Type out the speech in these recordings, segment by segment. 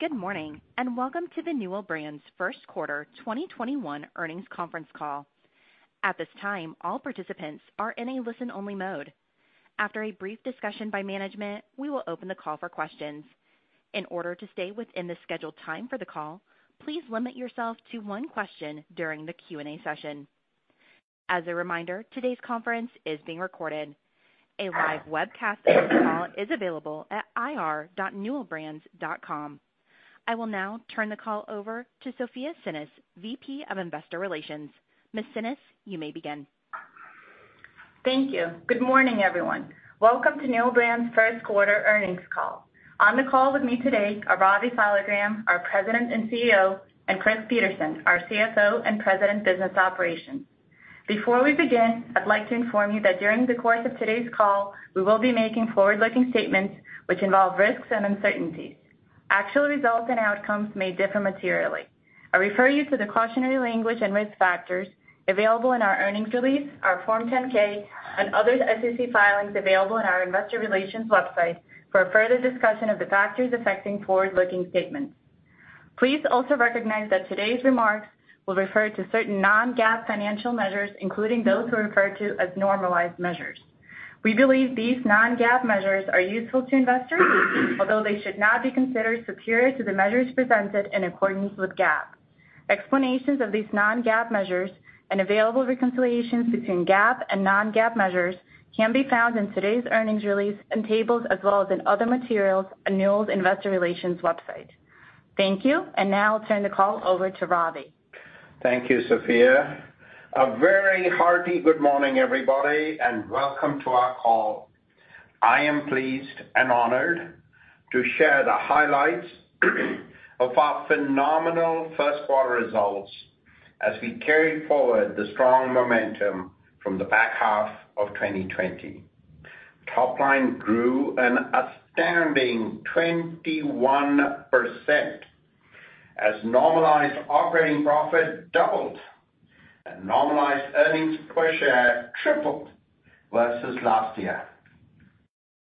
Good morning, and welcome to the Newell Brands' first quarter 2021 earnings conference call. I will now turn the call over to Sofya Tsinis, VP of Investor Relations. Ms. Tsinis, you may begin. Thank you. Good morning, everyone. Welcome to Newell Brands' first quarter earnings call. On the call with me today are Ravi Saligram, our President and CEO, and Chris Peterson, our CFO and President, Business Operations. Before we begin, I'd like to inform you that during the course of today's call, we will be making forward-looking statements which involve risks and uncertainties. Actual results and outcomes may differ materially. I refer you to the cautionary language and risk factors available in our earnings release, our Form 10-K, and other SEC filings available on our investor relations website for a further discussion of the factors affecting forward-looking statements. Please also recognize that today's remarks will refer to certain non-GAAP financial measures, including those we refer to as normalized measures. We believe these non-GAAP measures are useful to investors, although they should not be considered superior to the measures presented in accordance with GAAP. Explanations of these non-GAAP measures and available reconciliations between GAAP and non-GAAP measures can be found in today's earnings release and tables, as well as in other materials on Newell's investor relations website. Thank you. Now I'll turn the call over to Ravi. Thank you, Sofya. A very hearty good morning, everybody, and welcome to our call. I am pleased and honored to share the highlights of our phenomenal first quarter results as we carry forward the strong momentum from the back half of 2020. Topline grew an astounding 21% as normalized operating profit doubled and normalized earnings per share tripled versus last year.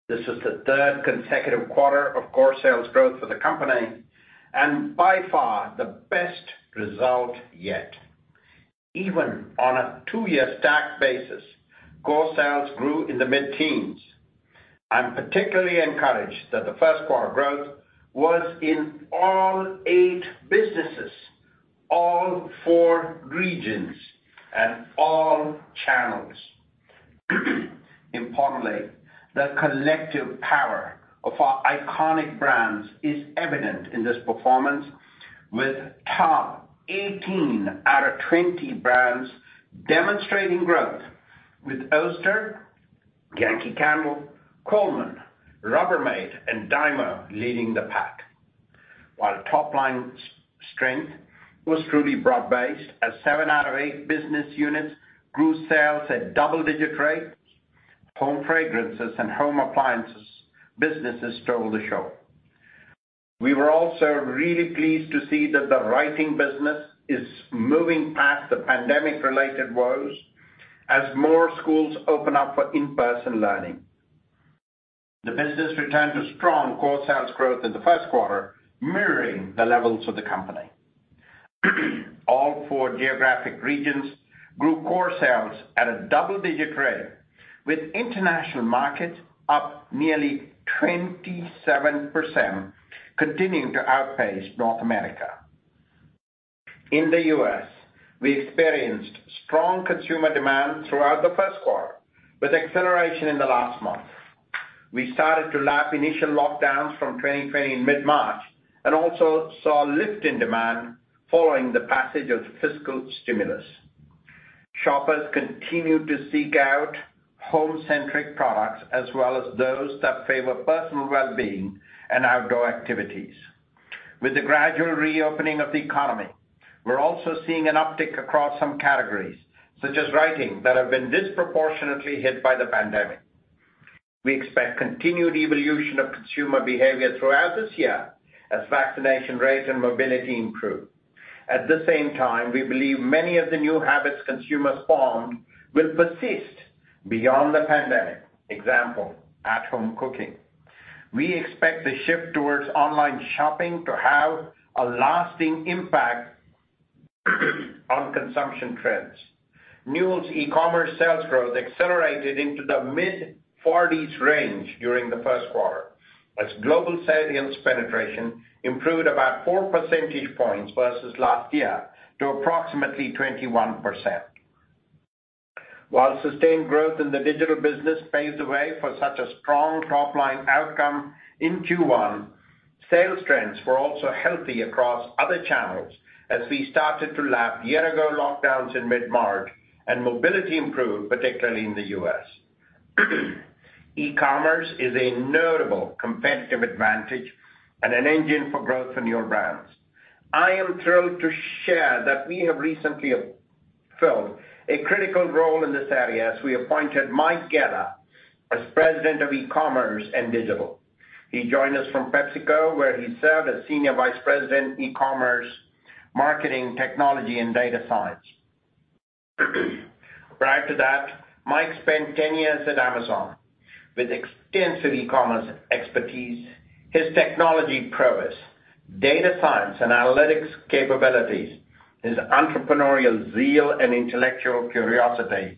This is the third consecutive quarter of core sales growth for the company and by far the best result yet. Even on a two-year stack basis, core sales grew in the mid-teens. I'm particularly encouraged that the first quarter growth was in all eight businesses, all four regions, and all channels. Importantly, the collective power of our iconic brands is evident in this performance with top 18 out of 20 brands demonstrating growth with Oster, Yankee Candle, Coleman, Rubbermaid, and Dymo leading the pack. While top line strength was truly broad-based, as seven out of eight business units grew sales at double-digit rates, home fragrances and home appliances businesses stole the show. We were also really pleased to see that the pandemic-related woes are moving past the writing business as more schools open up for in-person learning. The business returned to strong core sales growth in the first quarter, mirroring the levels of the company. All four geographic regions grew core sales at a double-digit rate, with international markets up nearly 27%, continuing to outpace North America. In the U.S., we experienced strong consumer demand throughout the first quarter, with acceleration in the last month. We started to lap initial lockdowns from 2020 in mid-March and also saw a lift in demand following the passage of fiscal stimulus. Shoppers continued to seek out home-centric products, as well as those that favor personal well-being and outdoor activities. With the gradual reopening of the economy, we're also seeing an uptick across some categories, such as writing, that have been disproportionately hit by the pandemic. We expect continued evolution of consumer behavior throughout this year as vaccination rates and mobility improve. At the same time, we believe many of the new habits consumers formed will persist beyond the pandemic. Example, at-home cooking. We expect the shift towards online shopping to have a lasting impact on consumption trends. Newell's e-commerce sales growth accelerated into the mid-40s range during the first quarter as global sales penetration improved about four percentage points versus last year to approximately 21%. While sustained growth in the digital business paved the way for such a strong top-line outcome in Q1, sales trends were also healthy across other channels as we started to lap year-ago lockdowns in mid-March and mobility improved, particularly in the U.S. E-commerce is a notable competitive advantage and an engine for growth for Newell Brands. I am thrilled to share that we have recently filled a critical role in this area as we appointed Michal Geller as President of E-commerce and Digital. He joined us from PepsiCo, where he served as Senior Vice President, E-commerce, Marketing, Technology, and Data Science. Prior to that, Michal spent 10 years at Amazon. With extensive e-commerce expertise, his technology prowess, data science and analytics capabilities, his entrepreneurial zeal and intellectual curiosity,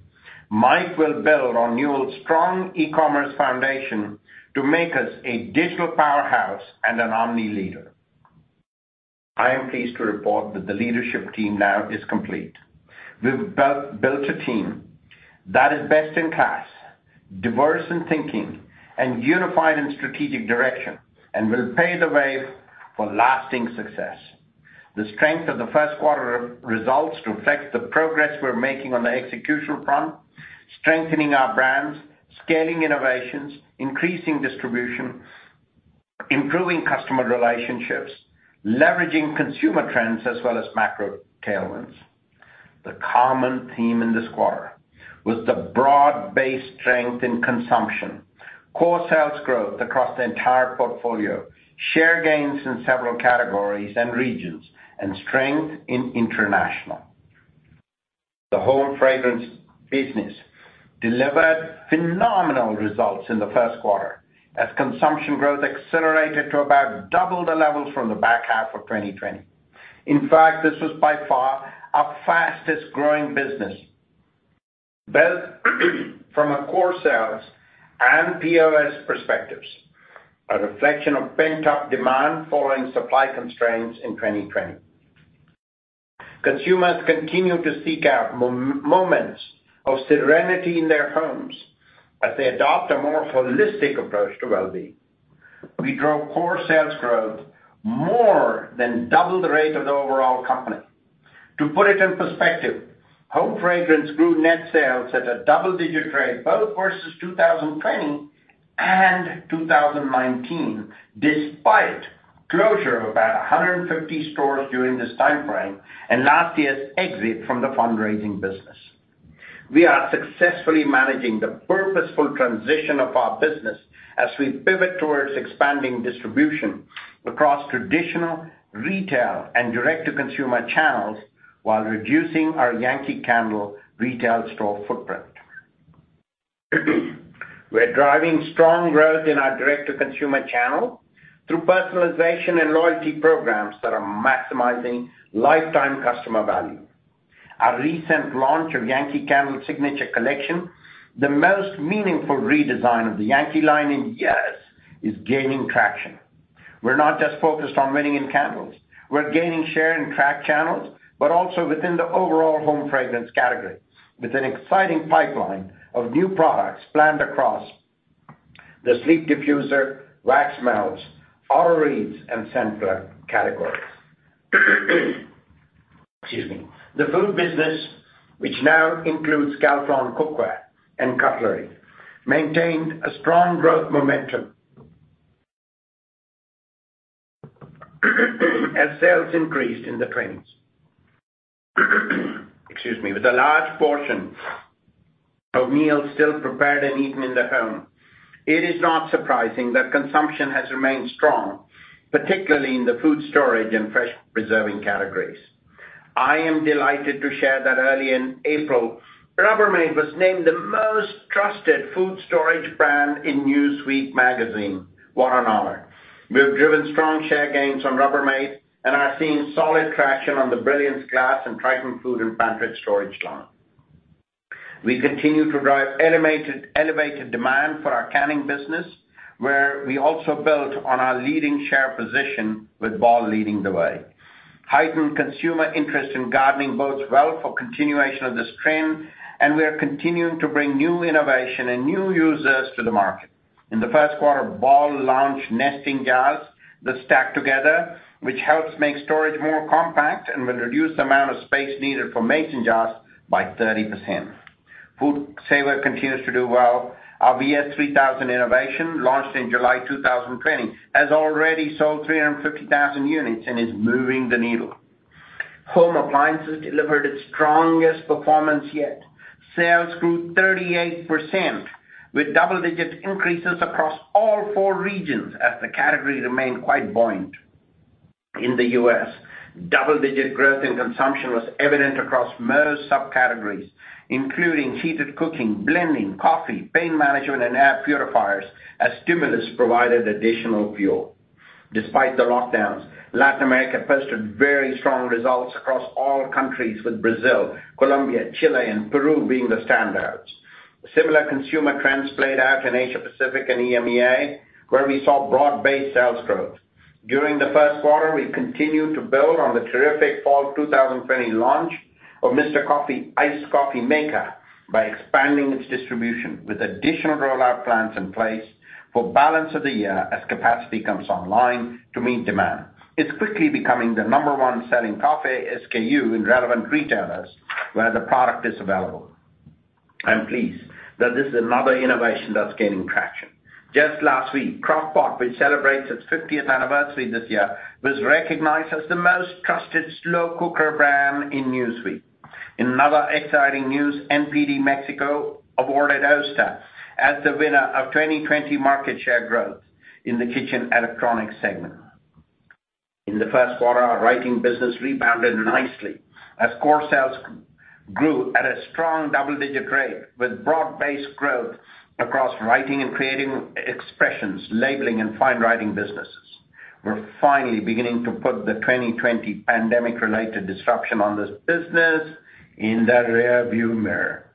Michal will build on Newell's strong e-commerce foundation to make us a digital powerhouse and an omni leader. I am pleased to report that the leadership team now is complete. We've built a team that is best-in-class, diverse in thinking, and unified in strategic direction, and will pave the way for lasting success. The strength of the first quarter results reflect the progress we're making on the execution front, strengthening our brands, scaling innovations, increasing distribution, improving customer relationships, leveraging consumer trends, as well as macro tailwinds. The common theme in this quarter was the broad-based strength in consumption, core sales growth across the entire portfolio, share gains in several categories and regions, and strength in international. The home fragrance business delivered phenomenal results in the first quarter as consumption growth accelerated to about double the levels from the back half of 2020. In fact, this was by far our fastest-growing business, both from a core sales and POS perspectives, a reflection of pent-up demand following supply constraints in 2020. Consumers continue to seek out moments of serenity in their homes as they adopt a more holistic approach to well-being. We drove core sales growth more than double the rate of the overall company. To put it in perspective, home fragrance grew net sales at a double-digit rate both versus 2020 and 2019, despite closure of about 150 stores during this timeframe and last year's exit from the fundraising business. We are successfully managing the purposeful transition of our business as we pivot towards expanding distribution across traditional retail and direct-to-consumer channels while reducing our Yankee Candle retail store footprint. We're driving strong growth in our direct-to-consumer channel through personalization and loyalty programs that are maximizing lifetime customer value. Our recent launch of Yankee Candle Signature Collection, the most meaningful redesign of the Yankee line in years, is gaining traction. We're not just focused on winning in candles. We're gaining share in track channels, but also within the overall home fragrance category, with an exciting pipeline of new products planned across the sleep diffuser, wax melts, aura reeds, and ScentPlug categories. Excuse me. The food business, which now includes Calphalon cookware and cutlery, maintained a strong growth momentum as sales increased in the trends. Excuse me. With a large portion of meals still prepared and eaten in the home, it is not surprising that consumption has remained strong, particularly in the food storage and fresh preserving categories. I am delighted to share that early in April, Rubbermaid was named the most trusted food storage brand in "Newsweek" magazine. What an honor. We've driven strong share gains on Rubbermaid and are seeing solid traction on the Brilliance glass and Tritan food and pantry storage line. We continue to drive elevated demand for our canning business, where we also built on our leading share position with Ball leading the way. Heightened consumer interest in gardening bodes well for continuation of this trend, and we are continuing to bring new innovation and new users to the market. In the first quarter, Ball launched nesting jars that stack together, which helps make storage more compact and will reduce the amount of space needed for mason jars by 30%. FoodSaver continues to do well. Our VS3000 innovation, launched in July 2020, has already sold 350,000 units and is moving the needle. Home appliances delivered its strongest performance yet. Sales grew 38%, with double-digit increases across all four regions, as the category remained quite buoyant. In the U.S., double-digit growth in consumption was evident across most subcategories, including heated cooking, blending, coffee, pain management, and air purifiers, as stimulus provided additional fuel. Despite the lockdowns, Latin America posted very strong results across all countries, with Brazil, Colombia, Chile, and Peru being the standouts. Similar consumer trends played out in Asia Pacific and EMEA, where we saw broad-based sales growth. During the first quarter, we continued to build on the terrific fall 2020 launch of Mr. Coffee Iced Coffee Maker by expanding its distribution with additional rollout plans in place for balance of the year as capacity comes online to meet demand. It's quickly becoming the number 1 selling coffee SKU in relevant retailers where the product is available. I'm pleased that this is another innovation that's gaining traction. Just last week, Crock-Pot, which celebrates its 50th anniversary this year, was recognized as the most trusted slow cooker brand in Newsweek. In other exciting news, NPD Mexico awarded Oster as the winner of 2020 market share growth in the kitchen electronics segment. In the first quarter, our writing business rebounded nicely as core sales grew at a strong double-digit rate with broad-based growth across writing and creating expressions, labeling, and fine writing businesses. We're finally beginning to put the 2020 pandemic-related disruption on this business in the rear view mirror.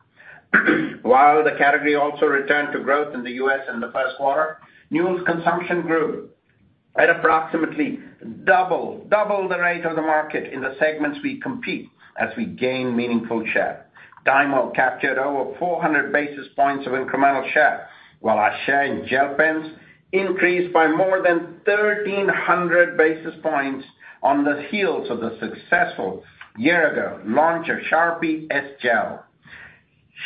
While the category also returned to growth in the U.S. in the first quarter, Newell's consumption grew at approximately double the rate of the market in the segments we compete as we gain meaningful share. Dymo captured over 400 basis points of incremental share, while our share in gel pens increased by more than 1,300 basis points on the heels of the successful year ago launch of Sharpie S-Gel.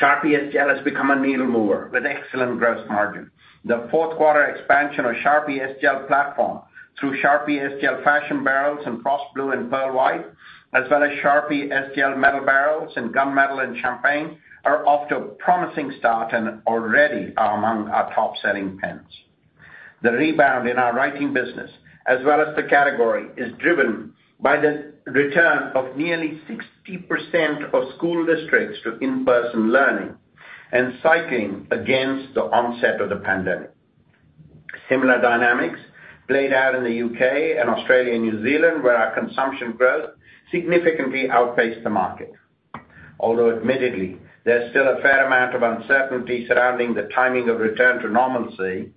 Sharpie S-Gel has become a needle mover with excellent gross margin. The fourth quarter expansion of Sharpie S-Gel platform through Sharpie S-Gel Fashion Barrels in frost blue and pearl white, as well as Sharpie S-Gel Metal Barrels in gunmetal and champagne, are off to a promising start and already are among our top-selling pens. The rebound in our writing business, as well as the category, is driven by the return of nearly 60% of school districts to in-person learning and cycling against the onset of the pandemic. Similar dynamics played out in the U.K. and Australia and New Zealand, where our consumption growth significantly outpaced the market. Admittedly, there's still a fair amount of uncertainty surrounding the timing of return to normalcy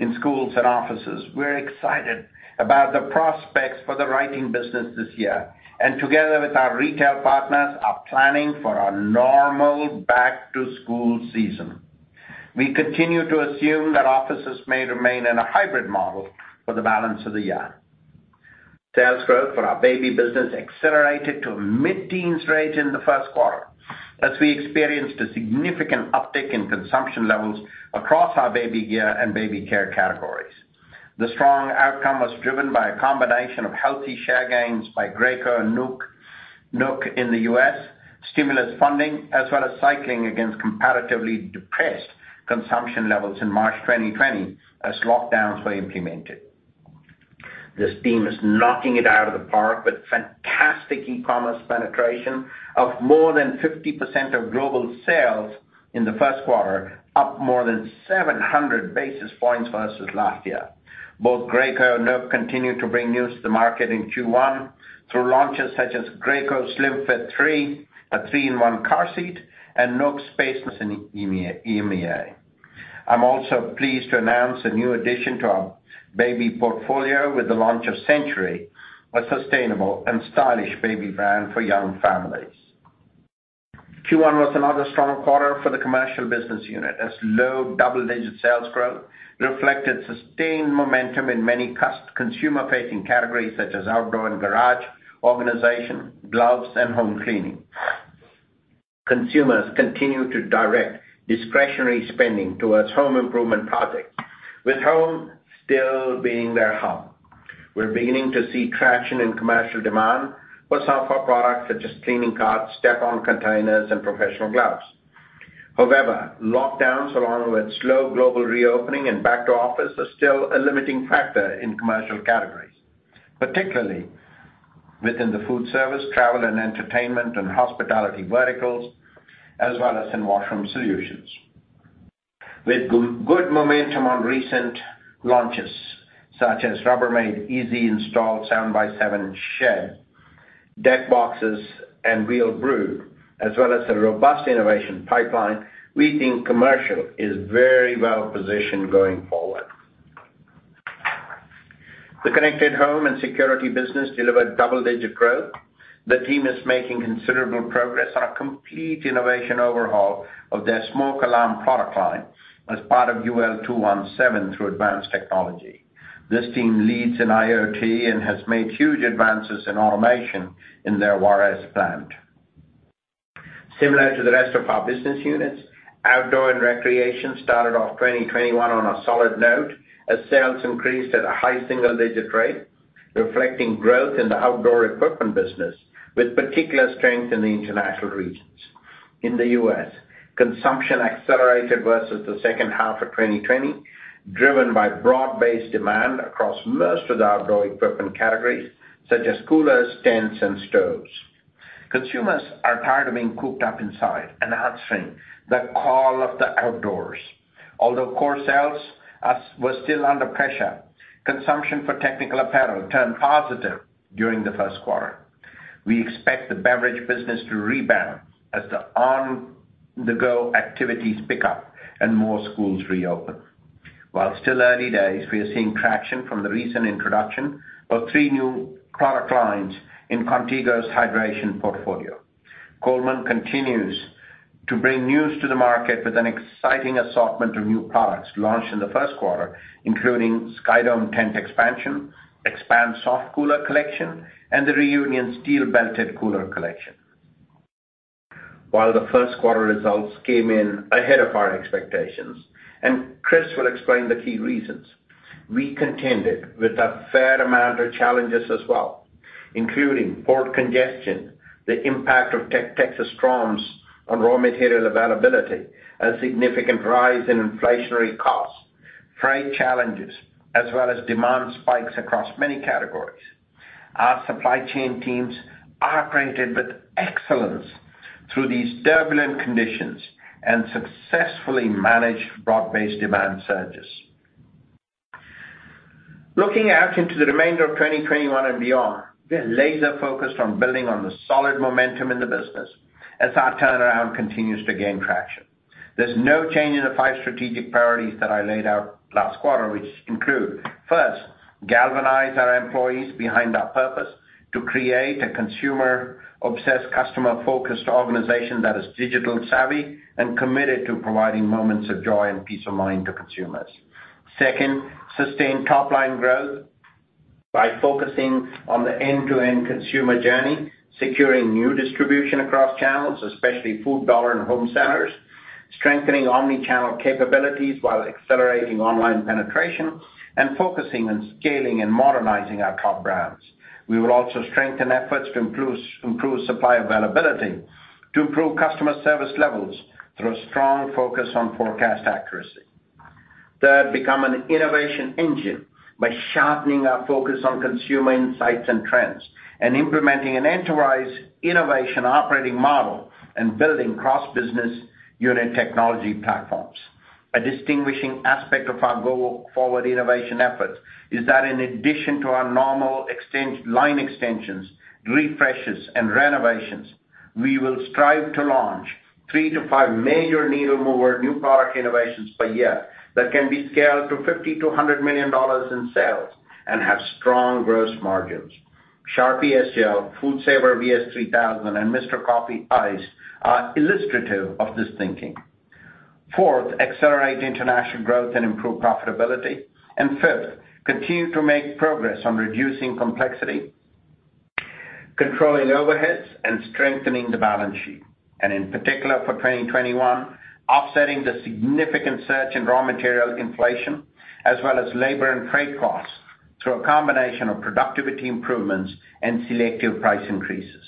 in schools and offices. We're excited about the prospects for the writing business this year and together with our retail partners, are planning for a normal back-to-school season. We continue to assume that offices may remain in a hybrid model for the balance of the year. Sales growth for our baby business accelerated to a mid-teens rate in the first quarter as we experienced a significant uptick in consumption levels across our baby gear and baby care categories. The strong outcome was driven by a combination of healthy share gains by Graco and NUK in the U.S., stimulus funding, as well as cycling against comparatively depressed consumption levels in March 2020 as lockdowns were implemented. This team is knocking it out of the park with fantastic e-commerce penetration of more than 50% of global sales in the first quarter, up more than 700 basis points versus last year. Both Graco and NUK continued to bring news to the market in Q1 through launches such as Graco SlimFit3, a 3-in-1 car seat, and NUK Space in EMEA. I'm also pleased to announce a new addition to our baby portfolio with the launch of Century, a sustainable and stylish baby brand for young families. Q1 was another strong quarter for the commercial business unit, as low double-digit sales growth reflected sustained momentum in many consumer-facing categories such as outdoor and garage, organization, gloves, and home cleaning. Consumers continue to direct discretionary spending towards home improvement projects, with home still being their hub. We're beginning to see traction in commercial demand for some of our products such as cleaning carts, step on containers, and professional gloves. However, lockdowns, along with slow global reopening and back to office, are still a limiting factor in commercial categories, particularly within the food service, travel and entertainment, and hospitality verticals, as well as in washroom solutions. With good momentum on recent launches such as Rubbermaid Easy Install 7x7 Shed, Deck Boxes, and Wheelbarrow, as well as a robust innovation pipeline, we think commercial is very well-positioned going forward. The Connected Home & Security business delivered double-digit growth. The team is making considerable progress on a complete innovation overhaul of their smoke alarm product line as part of UL 217 through advanced technology. This team leads in IoT and has made huge advances in automation in their Juarez plant. Similar to the rest of our business units, outdoor and recreation started off 2021 on a solid note as sales increased at a high single-digit rate, reflecting growth in the outdoor equipment business, with particular strength in the international regions. In the U.S., consumption accelerated versus the second half of 2020, driven by broad-based demand across most of the outdoor equipment categories such as coolers, tents, and stoves. Consumers are tired of being cooped up inside and are answering the call of the outdoors. Although core sales were still under pressure, consumption for technical apparel turned positive during the first quarter. We expect the beverage business to rebound as the on-the-go activities pick up and more schools reopen. While it's still early days, we are seeing traction from the recent introduction of three new product lines in Contigo's hydration portfolio. Coleman continues to bring news to the market with an exciting assortment of new products launched in the first quarter, including Skydome tent expansion, XPAND soft cooler collection, and the Reunion steel-belted cooler collection. While the first quarter results came in ahead of our expectations, and Chris will explain the key reasons, we contended with a fair amount of challenges as well. Including port congestion, the impact of Texas storms on raw material availability, a significant rise in inflationary costs, freight challenges, as well as demand spikes across many categories. Our supply chain teams operated with excellence through these turbulent conditions and successfully managed broad-based demand surges. Looking out into the remainder of 2021 and beyond, we are laser focused on building on the solid momentum in the business as our turnaround continues to gain traction. There's no change in the five strategic priorities that I laid out last quarter, which include, first, galvanize our employees behind our purpose to create a consumer-obsessed, customer-focused organization that is digital savvy and committed to providing moments of joy and peace of mind to consumers. Second, sustain top-line growth by focusing on the end-to-end consumer journey, securing new distribution across channels, especially food, dollar, and home centers, strengthening omni-channel capabilities while accelerating online penetration, and focusing on scaling and modernizing our top brands. We will also strengthen efforts to improve supply availability to improve customer service levels through a strong focus on forecast accuracy. Third, become an innovation engine by sharpening our focus on consumer insights and trends, and implementing an enterprise innovation operating model, and building cross-business unit technology platforms. A distinguishing aspect of our go-forward innovation efforts is that in addition to our normal line extensions, refreshes, and renovations, we will strive to launch three to five major needle mover new product innovations per year that can be scaled to $50 million to $100 million in sales and have strong gross margins. Sharpie S-Gel, FoodSaver VS3000, and Mr. Coffee Iced are illustrative of this thinking. Fourth, accelerate international growth and improve profitability. Fifth, continue to make progress on reducing complexity, controlling overheads, and strengthening the balance sheet. In particular for 2021, offsetting the significant surge in raw material inflation, as well as labor and freight costs through a combination of productivity improvements and selective price increases.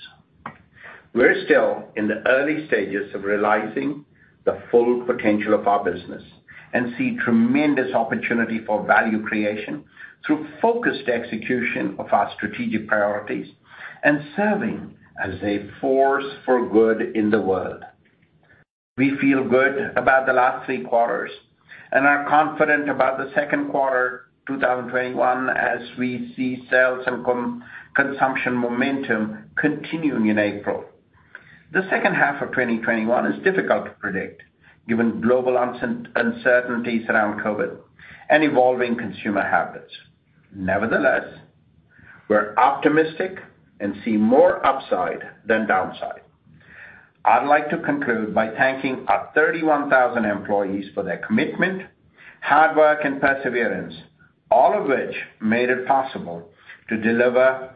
We're still in the early stages of realizing the full potential of our business and see tremendous opportunity for value creation through focused execution of our strategic priorities and serving as a force for good in the world. We feel good about the last three quarters and are confident about the second quarter 2021 as we see sales and consumption momentum continuing in April. The second half of 2021 is difficult to predict given global uncertainties around COVID and evolving consumer habits. Nevertheless, we're optimistic and see more upside than downside. I'd like to conclude by thanking our 31,000 employees for their commitment, hard work, and perseverance, all of which made it possible to deliver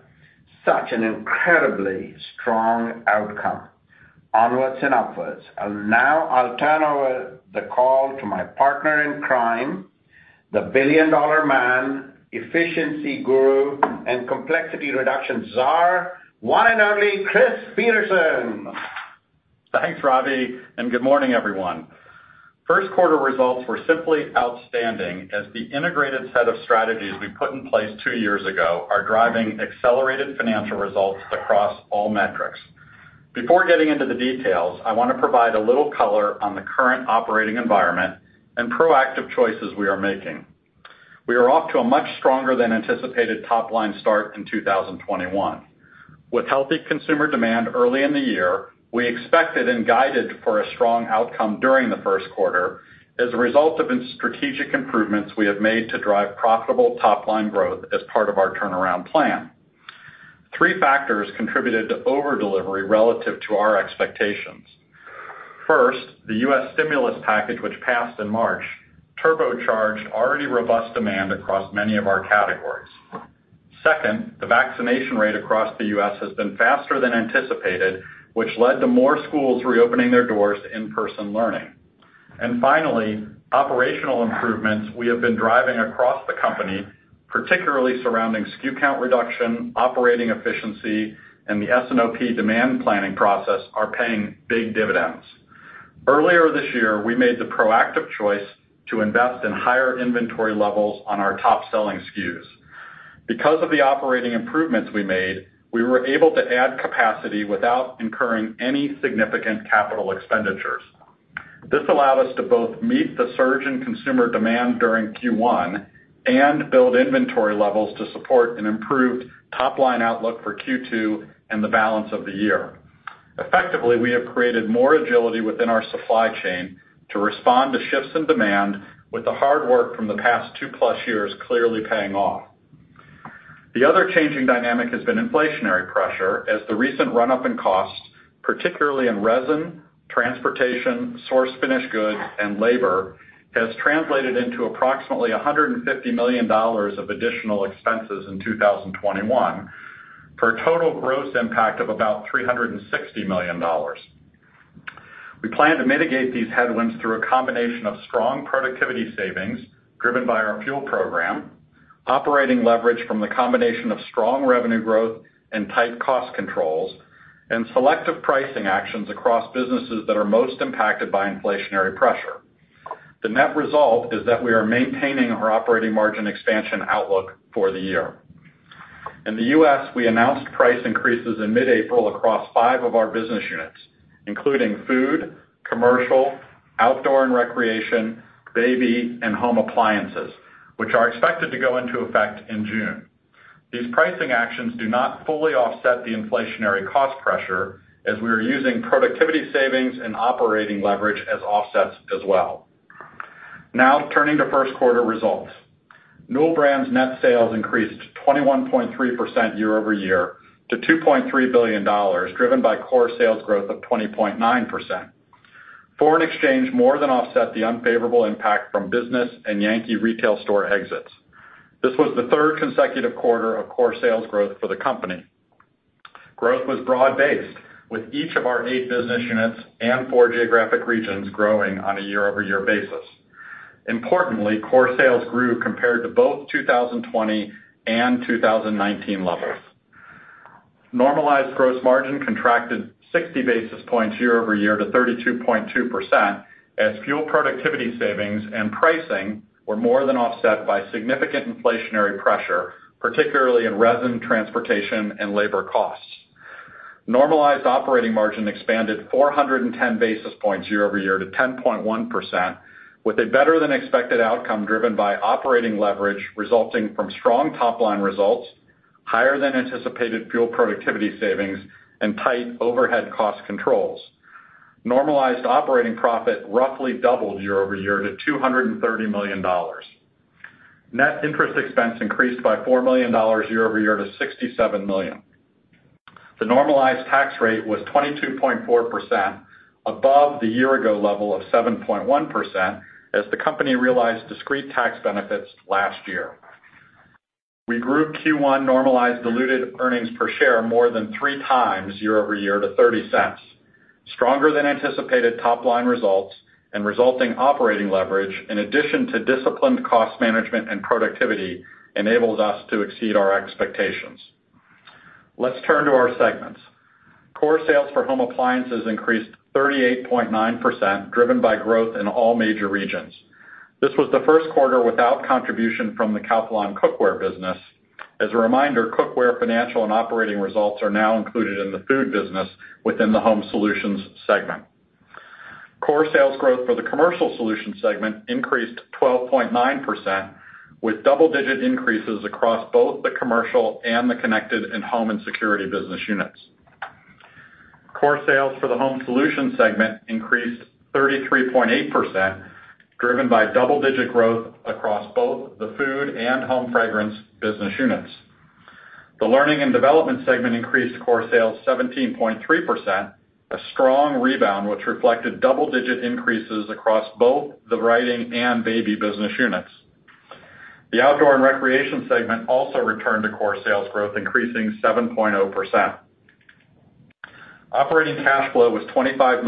such an incredibly strong outcome. Onwards and upwards. Now I'll turn over the call to my partner in crime, the billion-dollar man, efficiency guru, and complexity reduction tsar, one and only Chris Peterson. Thanks, Ravi, and good morning, everyone. First quarter results were simply outstanding as the integrated set of strategies we put in place two years ago are driving accelerated financial results across all metrics. Before getting into the details, I want to provide a little color on the current operating environment and proactive choices we are making. We are off to a much stronger than anticipated top-line start in 2021. With healthy consumer demand early in the year, we expected and guided for a strong outcome during the first quarter as a result of strategic improvements we have made to drive profitable top-line growth as part of our turnaround plan. Three factors contributed to over-delivery relative to our expectations. First, the U.S. stimulus package, which passed in March, turbocharged already robust demand across many of our categories. Second, the vaccination rate across the U.S. has been faster than anticipated, which led to more schools reopening their doors to in-person learning. Finally, operational improvements we have been driving across the company, particularly surrounding SKU count reduction, operating efficiency, and the S&OP demand planning process are paying big dividends. Earlier this year, we made the proactive choice to invest in higher inventory levels on our top-selling SKUs. Because of the operating improvements we made, we were able to add capacity without incurring any significant capital expenditures. This allowed us to both meet the surge in consumer demand during Q1 and build inventory levels to support an improved top-line outlook for Q2 and the balance of the year. Effectively, we have created more agility within our supply chain to respond to shifts in demand with the hard work from the past two-plus years clearly paying off. The other changing dynamic has been inflationary pressure as the recent run-up in costs, particularly in resin, transportation, source finished goods, and labor, has translated into approximately $150 million of additional expenses in 2021 for a total gross impact of about $360 million. We plan to mitigate these headwinds through a combination of strong productivity savings driven by our FUEL program, operating leverage from the combination of strong revenue growth and tight cost controls, and selective pricing actions across businesses that are most impacted by inflationary pressure. The net result is that we are maintaining our operating margin expansion outlook for the year. In the U.S., we announced price increases in mid-April across five of our business units, including food, commercial, outdoor and recreation, baby, and home appliances, which are expected to go into effect in June. These pricing actions do not fully offset the inflationary cost pressure, as we are using productivity savings and operating leverage as offsets as well. Turning to first quarter results. Newell Brands net sales increased 21.3% year-over-year to $2.3 billion, driven by core sales growth of 20.9%. Foreign exchange more than offset the unfavorable impact from business and Yankee retail store exits. This was the third consecutive quarter of core sales growth for the company. Growth was broad-based, with each of our eight business units and four geographic regions growing on a year-over-year basis. Importantly, core sales grew compared to both 2020 and 2019 levels. Normalized gross margin contracted 60 basis points year-over-year to 32.2%, as FUEL productivity savings and pricing were more than offset by significant inflationary pressure, particularly in resin, transportation, and labor costs. Normalized operating margin expanded 410 basis points year-over-year to 10.1%, with a better-than-expected outcome driven by operating leverage resulting from strong top-line results, higher-than-anticipated FUEL productivity savings, and tight overhead cost controls. Normalized operating profit roughly doubled year-over-year to $230 million. Net interest expense increased by $4 million year-over-year to $67 million. The normalized tax rate was 22.4%, above the year-ago level of 7.1%, as the company realized discrete tax benefits last year. We grew Q1 normalized diluted earnings per share more than three times year-over-year to $0.30. Stronger than anticipated top-line results and resulting operating leverage, in addition to disciplined cost management and productivity, enabled us to exceed our expectations. Let's turn to our segments. Core sales for home appliances increased 38.9%, driven by growth in all major regions. This was the first quarter without contribution from the Calphalon cookware business. As a reminder, cookware financial and operating results are now included in the food business within the Home Solutions Segment. Core sales growth for the Commercial Solutions Segment increased 12.9%, with double-digit increases across both the commercial and the Connected Home & Security business units. Core sales for the Home Solutions Segment increased 33.8%, driven by double-digit growth across both the food and home fragrance business units. The Learning and Development Segment increased core sales 17.3%, a strong rebound, which reflected double-digit increases across both the writing and baby business units. The Outdoor and Recreation Segment also returned to core sales growth, increasing 7.0%. Operating cash outflow was $25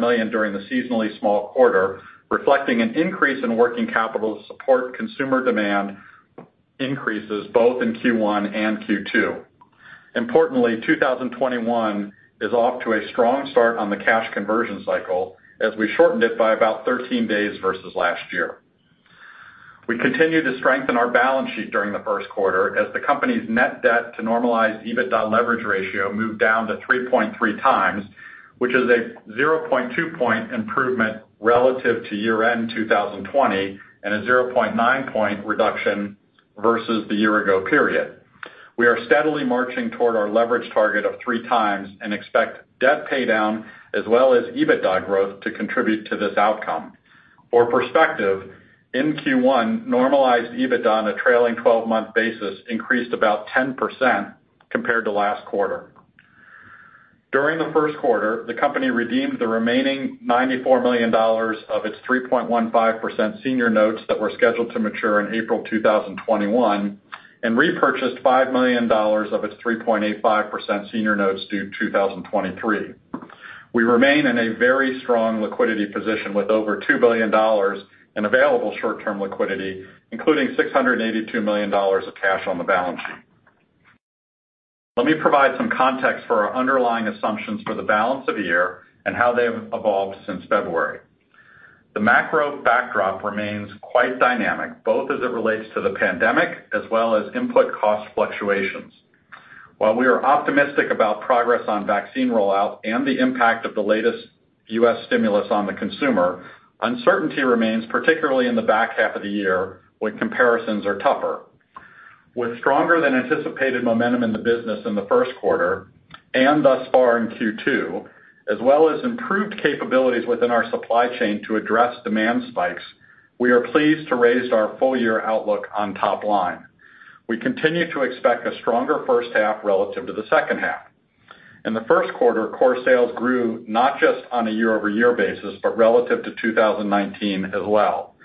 million during the seasonally small quarter, reflecting an increase in working capital to support consumer demand increases both in Q1 and Q2. Importantly, 2021 is off to a strong start on the cash conversion cycle, as we shortened it by about 13 days versus last year. We continued to strengthen our balance sheet during the first quarter as the company's net debt to normalized EBITDA leverage ratio moved down to 3.3x, which is a 0.2 point improvement relative to year-end 2020 and a 0.9 point reduction versus the year-ago period. We are steadily marching toward our leverage target of three times and expect debt paydown as well as EBITDA growth to contribute to this outcome. For perspective, in Q1, normalized EBITDA on a trailing 12-month basis increased about 10% compared to last quarter. During the first quarter, the company redeemed the remaining $94 million of its 3.15% senior notes that were scheduled to mature in April 2021 and repurchased $5 million of its 3.85% senior notes due 2023. We remain in a very strong liquidity position with over $2 billion in available short-term liquidity, including $682 million of cash on the balance sheet. Let me provide some context for our underlying assumptions for the balance of the year and how they have evolved since February. The macro backdrop remains quite dynamic, both as it relates to the pandemic as well as input cost fluctuations. While we are optimistic about progress on vaccine rollout and the impact of the latest U.S. stimulus on the consumer, uncertainty remains, particularly in the back half of the year when comparisons are tougher. With stronger than anticipated momentum in the business in the first quarter and thus far in Q2, as well as improved capabilities within our supply chain to address demand spikes, we are pleased to raise our full-year outlook on top line. We continue to expect a stronger first half relative to the second half. In the first quarter, core sales grew not just on a year-over-year basis, but relative to 2019 as well.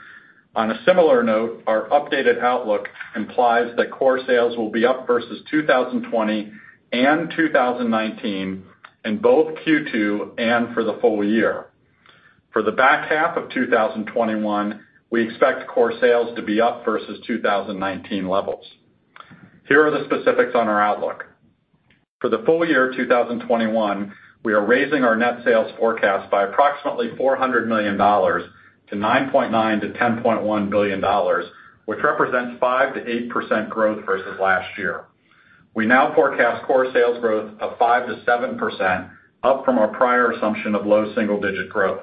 On a similar note, our updated outlook implies that core sales will be up versus 2020 and 2019 in both Q2 and for the full year. For the back half of 2021, we expect core sales to be up versus 2019 levels. Here are the specifics on our outlook. For the full year 2021, we are raising our net sales forecast by approximately $400 million to $9.9 billion-$10.1 billion, which represents 5%-8% growth versus last year. We now forecast core sales growth of 5%-7%, up from our prior assumption of low single-digit growth.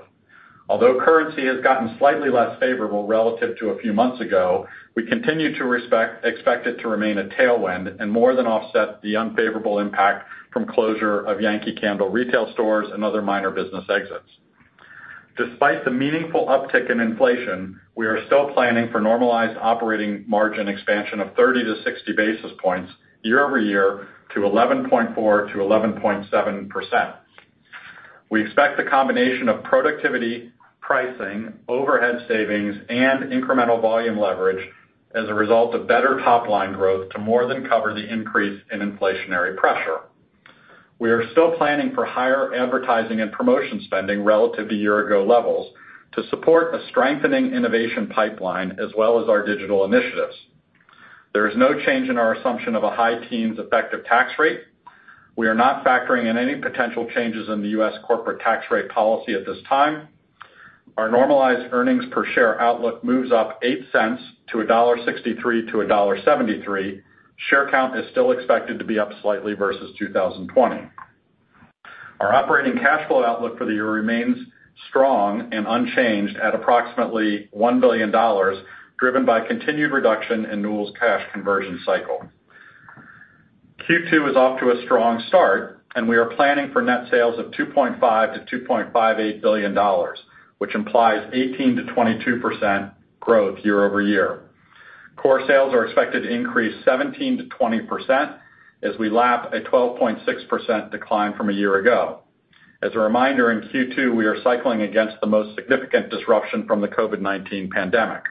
Although currency has gotten slightly less favorable relative to a few months ago, we continue to expect it to remain a tailwind and more than offset the unfavorable impact from closure of Yankee Candle retail stores and other minor business exits. Despite the meaningful uptick in inflation, we are still planning for normalized operating margin expansion of 30-60 basis points year-over-year to 11.4%-11.7%. We expect the combination of productivity, pricing, overhead savings, and incremental volume leverage as a result of better top-line growth to more than cover the increase in inflationary pressure. We are still planning for higher advertising and promotion spending relative to year-ago levels to support a strengthening innovation pipeline, as well as our digital initiatives. There is no change in our assumption of a high teens effective tax rate. We are not factoring in any potential changes in the U.S. corporate tax rate policy at this time. Our normalized earnings per share outlook moves up $0.08 to $1.63-$1.73. Share count is still expected to be up slightly versus 2020. Our operating cash flow outlook for the year remains strong and unchanged at approximately $1 billion, driven by continued reduction in Newell's cash conversion cycle. Q2 is off to a strong start. We are planning for net sales of $2.5 billion-$2.58 billion, which implies 18%-22% growth year-over-year. Core sales are expected to increase 17%-20% as we lap a 12.6% decline from a year ago. As a reminder, in Q2, we are cycling against the most significant disruption from the COVID-19 pandemic.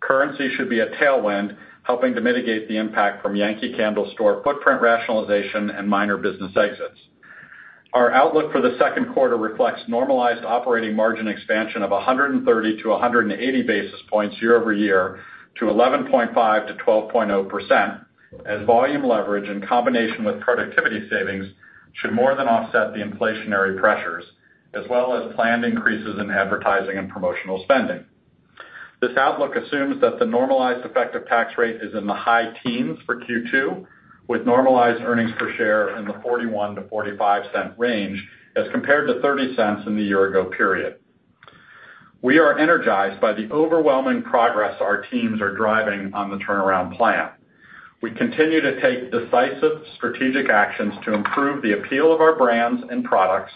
Currency should be a tailwind, helping to mitigate the impact from Yankee Candle store footprint rationalization and minor business exits. Our outlook for the second quarter reflects normalized operating margin expansion of 130 to 180 basis points year-over-year to 11.5%-12.0%, as volume leverage in combination with productivity savings should more than offset the inflationary pressures, as well as planned increases in advertising and promotional spending. This outlook assumes that the normalized effective tax rate is in the high teens for Q2, with normalized earnings per share in the $0.41-$0.45 range as compared to $0.30 in the year-ago period. We are energized by the overwhelming progress our teams are driving on the turnaround plan. We continue to take decisive strategic actions to improve the appeal of our brands and products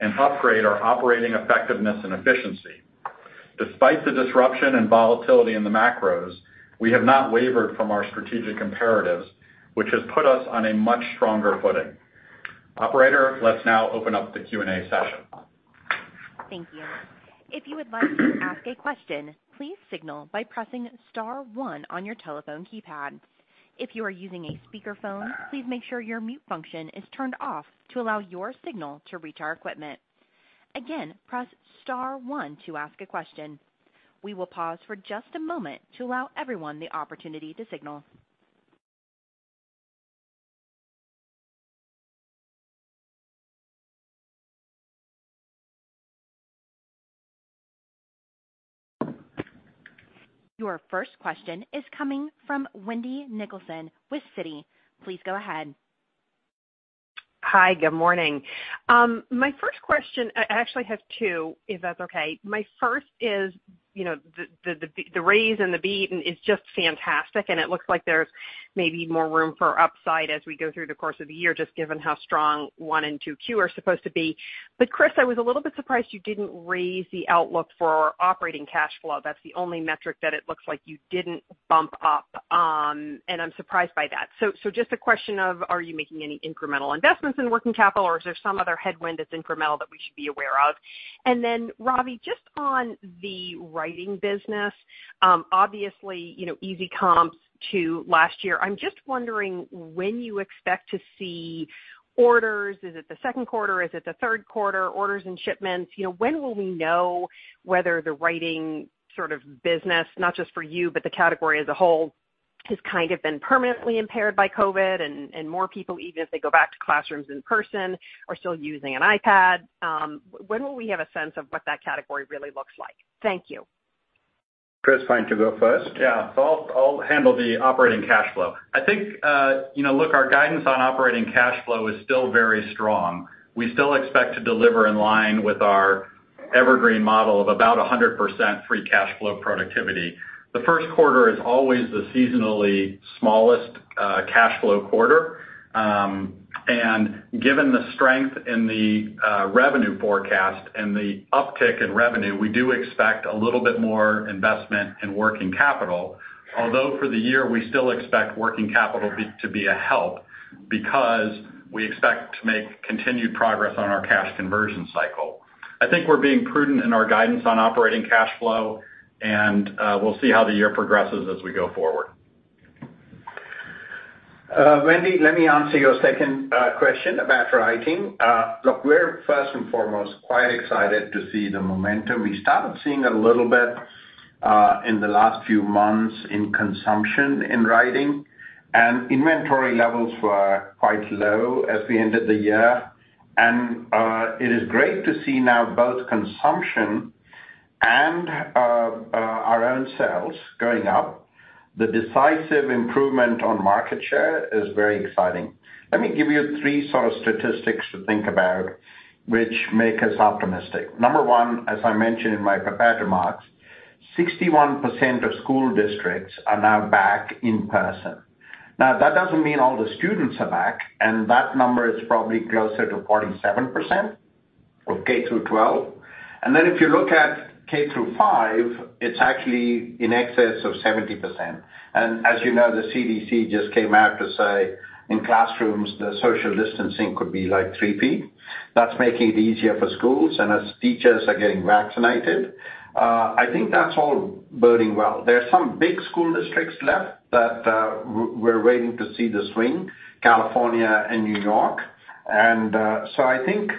and upgrade our operating effectiveness and efficiency. Despite the disruption and volatility in the macros, we have not wavered from our strategic imperatives, which has put us on a much stronger footing. Operator, let's now open up the Q&A session. Thank you. If you would like to ask a question, please signal by pressing star 1 on your telephone keypad. If you are using a speakerphone, please make sure your mute function is turned off to allow your signal to reach our equipment. Again, press star1 to ask a question. We will pause for just a moment to allow everyone the opportunity to signal. Your first question is coming from Wendy Nicholson with Citi. Please go ahead. Hi. Good morning. My first question, I actually have two, if that's okay? My first is, the raise and the beat is just fantastic, and it looks like there's maybe more room for upside as we go through the course of the year, just given how strong 1 and 2Q are supposed to be. Chris, I was a little bit surprised you didn't raise the outlook for operating cash flow. That's the only metric that it looks like you didn't bump up. I'm surprised by that. Just a question of, are you making any incremental investments in working capital, or is there some other headwind that's incremental that we should be aware of? Ravi, just on the writing business. Obviously, easy comps to last year. I'm just wondering when you expect to see orders. Is it the second quarter? Is it the third quarter? Orders and shipments, when will we know whether the writing business, not just for you, but the category as a whole, has kind of been permanently impaired by COVID and more people, even if they go back to classrooms in person, are still using an iPad? When will we have a sense of what that category really looks like? Thank you. Chris, want to go first? Yeah. I'll handle the operating cash flow. I think, look, our guidance on operating cash flow is still very strong. We still expect to deliver in line with our evergreen model of about 100% free cash flow productivity. The first quarter is always the seasonally smallest cash flow quarter. Given the strength in the revenue forecast and the uptick in revenue, we do expect a little bit more investment in working capital. Although for the year, we still expect working capital to be a help because we expect to make continued progress on our cash conversion cycle. I think we're being prudent in our guidance on operating cash flow, and we'll see how the year progresses as we go forward. Wendy, let me answer your second question about writing. Look, we're first and foremost quite excited to see the momentum. We started seeing a little bit in the last few months in consumption in writing, and inventory levels were quite low as we ended the year. It is great to see now both consumption and our own sales going up. The decisive improvement on market share is very exciting. Let me give you three sort of statistics to think about which make us optimistic. Number one, as I mentioned in my prepared remarks, 61% of school districts are now back in person. Now, that doesn't mean all the students are back, and that number is probably closer to 47% of K through 12. If you look at K through five, it's actually in excess of 70%. As you know, the CDC just came out to say in classrooms, the social distancing could be like three feet. That's making it easier for schools and as teachers are getting vaccinated. I think that's all boding well. There are some big school districts left that we're waiting to see the swing, California and New York. I think,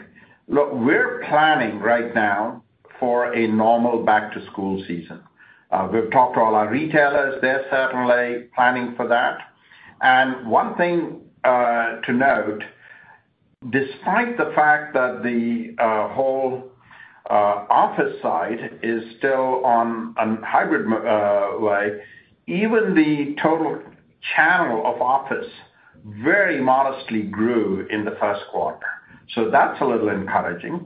look, we're planning right now for a normal back-to-school season. We've talked to all our retailers. They're certainly planning for that. One thing to note, despite the fact that the whole office side is still on a hybrid way, even the total channel of office very modestly grew in the first quarter. That's a little encouraging.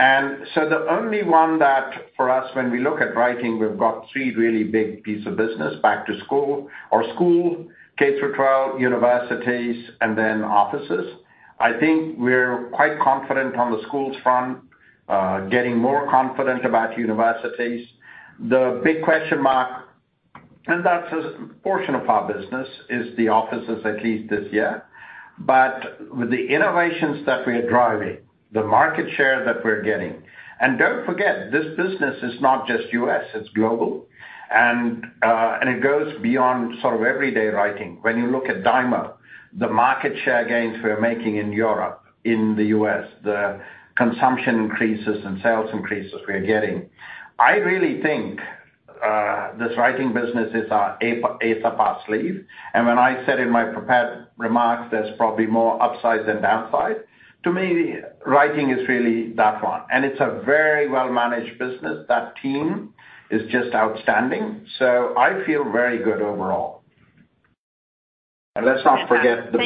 The only one that for us, when we look at writing, we've got three really big pieces of business back to school or school, K through 12, universities, and then offices. I think we're quite confident on the schools front, getting more confident about universities. The big question mark, and that's a portion of our business, is the offices at least this year. With the innovations that we are driving, the market share that we're getting, and don't forget, this business is not just U.S., it's global. It goes beyond sort of everyday writing. When you look at Dymo, the market share gains we're making in Europe, in the U.S., the consumption increases and sales increases we are getting. I really think this writing business is our ace up our sleeve. When I said in my prepared remarks, there's probably more upside than downside, to me, writing is really that one, and it's a very well-managed business. That team is just outstanding. I feel very good overall. Let's not forget the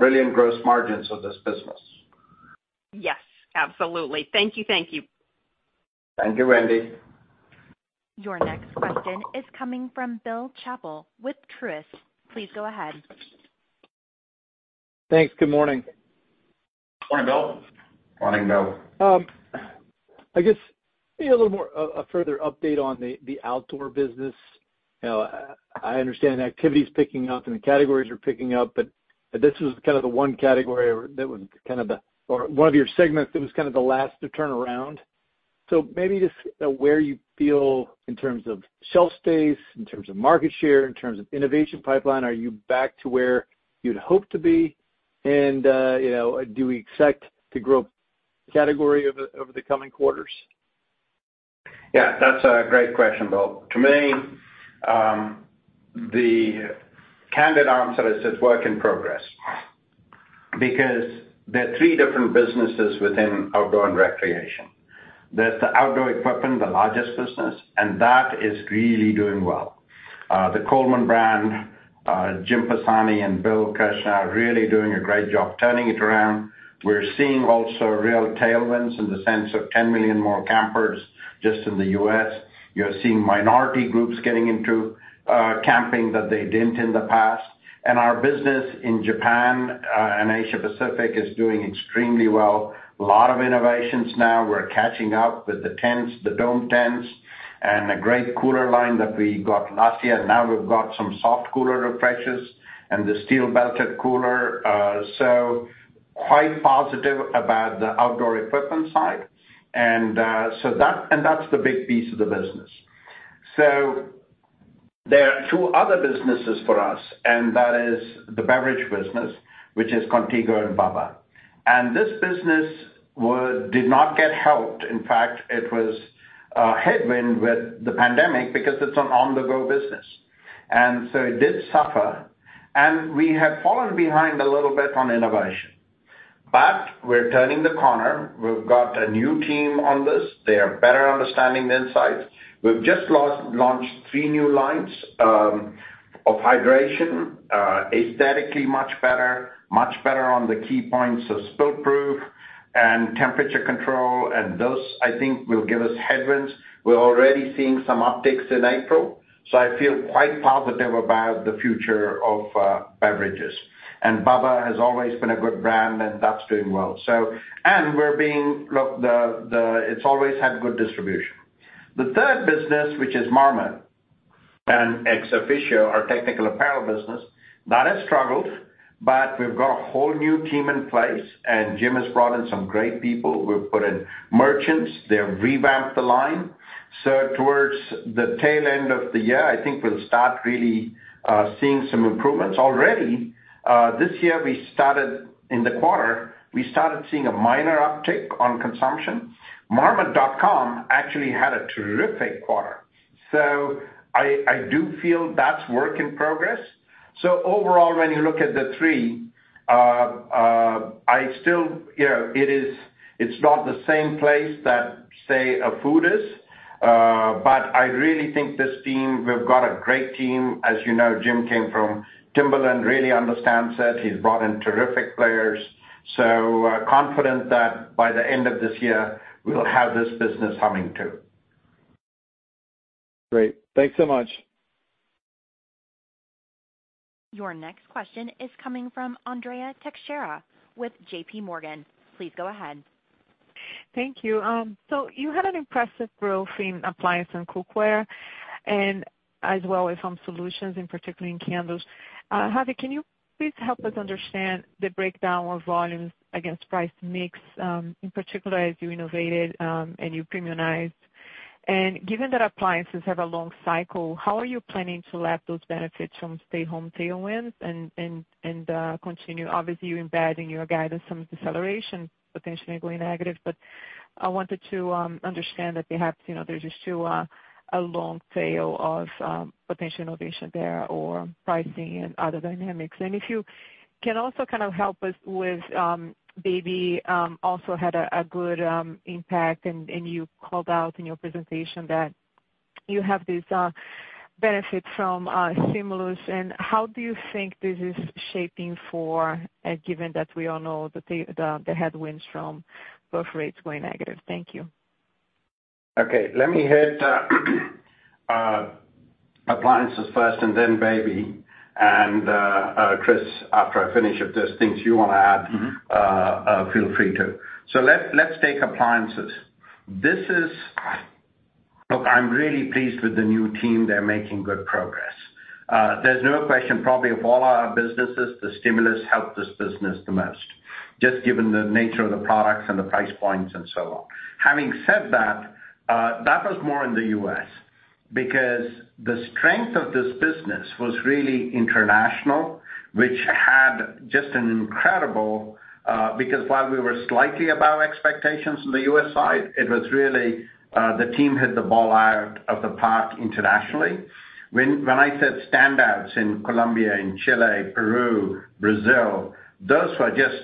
brilliant gross margins of this business. Yes, absolutely. Thank you. Thank you, Wendy. Your next question is coming from Bill Chappell with Truist. Please go ahead. Thanks. Good morning. Morning, Bill. I guess maybe a little more, a further update on the outdoor business. I understand activity's picking up and the categories are picking up, this was kind of the one category or one of your segments that was kind of the last to turn around. Maybe just where you feel in terms of shelf space, in terms of market share, in terms of innovation pipeline, are you back to where you'd hoped to be? Do we expect to grow category over the coming quarters? Yeah, that's a great question, Bill. To me, the candid answer is it's work in progress because there are three different businesses within outdoor and recreation. That is the outdoor equipment, the largest business, and that is really doing well. The Coleman brand, James Fasciano and William Uppington are really doing a great job turning it around. We're seeing also real tailwinds in the sense of 10 million more campers just in the U.S. You're seeing minority groups getting into camping that they didn't in the past. Our business in Japan and Asia Pacific is doing extremely well. A lot of innovations now. We're catching up with the tents, the dome tents, and a great cooler line that we got last year. Now we've got some soft cooler refreshes and the steel-belted cooler. Quite positive about the outdoor equipment side. That's the big piece of the business. There are two other businesses for us, and that is the beverage business, which is Contigo and bubba. This business did not get helped. In fact, it was a headwind with the pandemic because it's an on-the-go business. It did suffer, and we have fallen behind a little bit on innovation. We're turning the corner. We've got a new team on this. They are better understanding the insights. We've just launched three new lines of hydration, aesthetically much better, much better on the key points of spill-proof and temperature control, and those, I think, will give us headwinds. We're already seeing some upticks in April, so I feel quite positive about the future of beverages. bubba has always been a good brand, and that's doing well. It's always had good distribution. The third business, which is Marmot and ExOfficio, our technical apparel business, that has struggled. We've got a whole new team in place, and Jim has brought in some great people. We've put in merchants. They've revamped the line. Towards the tail end of the year, I think we'll start really seeing some improvements. Already, this year, in the quarter, we started seeing a minor uptick on consumption. Marmot actually had a terrific quarter. I do feel that's work in progress. Overall, when you look at the three, it's not the same place that, say, Food is. I really think this team, we've got a great team. As you know, Jim came from Timberland, really understands it. He's brought in terrific players. Confident that by the end of this year, we'll have this business humming, too. Great. Thanks so much. Your next question is coming from Andrea Teixeira with JPMorgan. Please go ahead. Thank you. You had an impressive growth in appliance and cookware, as well with Home Solutions, and particularly in candles. Ravi, can you please help us understand the breakdown of volumes against price mix, in particular as you innovated, and you premiumized. Given that appliances have a long cycle, how are you planning to lap those benefits from stay-home tailwinds and continue, obviously, you embedding your guidance, some deceleration potentially going negative. I wanted to understand that perhaps, there's still a long tail of potential innovation there or pricing and other dynamics. If you can also kind of help us with Baby, also had a good impact and you called out in your presentation that you have this benefit from stimulus. How do you think this is shaping for, given that we all know the headwinds from both rates going negative? Thank you. Okay. Let me hit appliances first and then Baby. Chris, after I finish, if there's things you want to add. feel free to. Let's take appliances. Look, I'm really pleased with the new team. They're making good progress. There's no question, probably of all our businesses, the stimulus helped this business the most, just given the nature of the products and the price points and so on. Having said that was more in the U.S. because the strength of this business was really international, which had just an incredible because while we were slightly above expectations in the U.S. side, it was really the team hit the ball out of the park internationally. When I said standouts in Colombia, in Chile, Peru, Brazil, those were just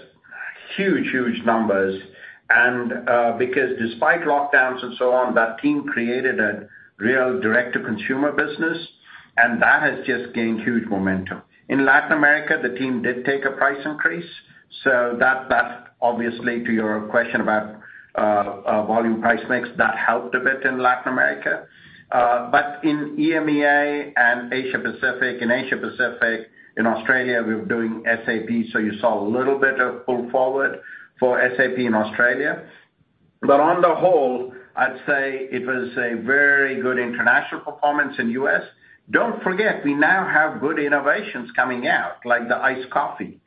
huge numbers. Because despite lockdowns and so on, that team created a real direct-to-consumer business, and that has just gained huge momentum. In Latin America, the team did take a price increase. That, obviously to your question about volume price mix, that helped a bit in Latin America. In EMEA and Asia-Pacific, in Asia-Pacific, in Australia, we're doing SAP, so you saw a little bit of pull forward for SAP in Australia. On the whole, I'd say it was a very good international performance in U.S. Don't forget, we now have good innovations coming out, like the iced coffee.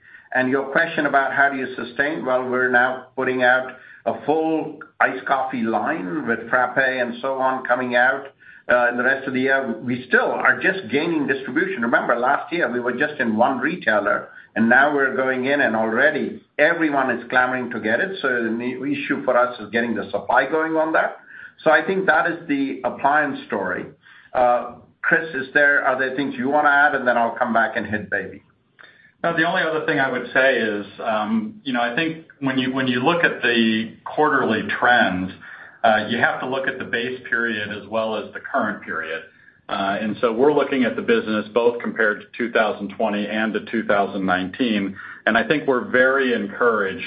Your question about how do you sustain, well, we're now putting out a full iced coffee line with frappé and so on coming out in the rest of the year. We still are just gaining distribution. Remember last year, we were just in one retailer, and now we're going in and already everyone is clamoring to get it. The issue for us is getting the supply going on that. I think that is the appliance story. Chris, are there things you want to add? I'll come back and hit Baby. No, the only other thing I would say is, I think when you look at the quarterly trends, you have to look at the base period as well as the current period. So we're looking at the business both compared to 2020 and to 2019. I think we're very encouraged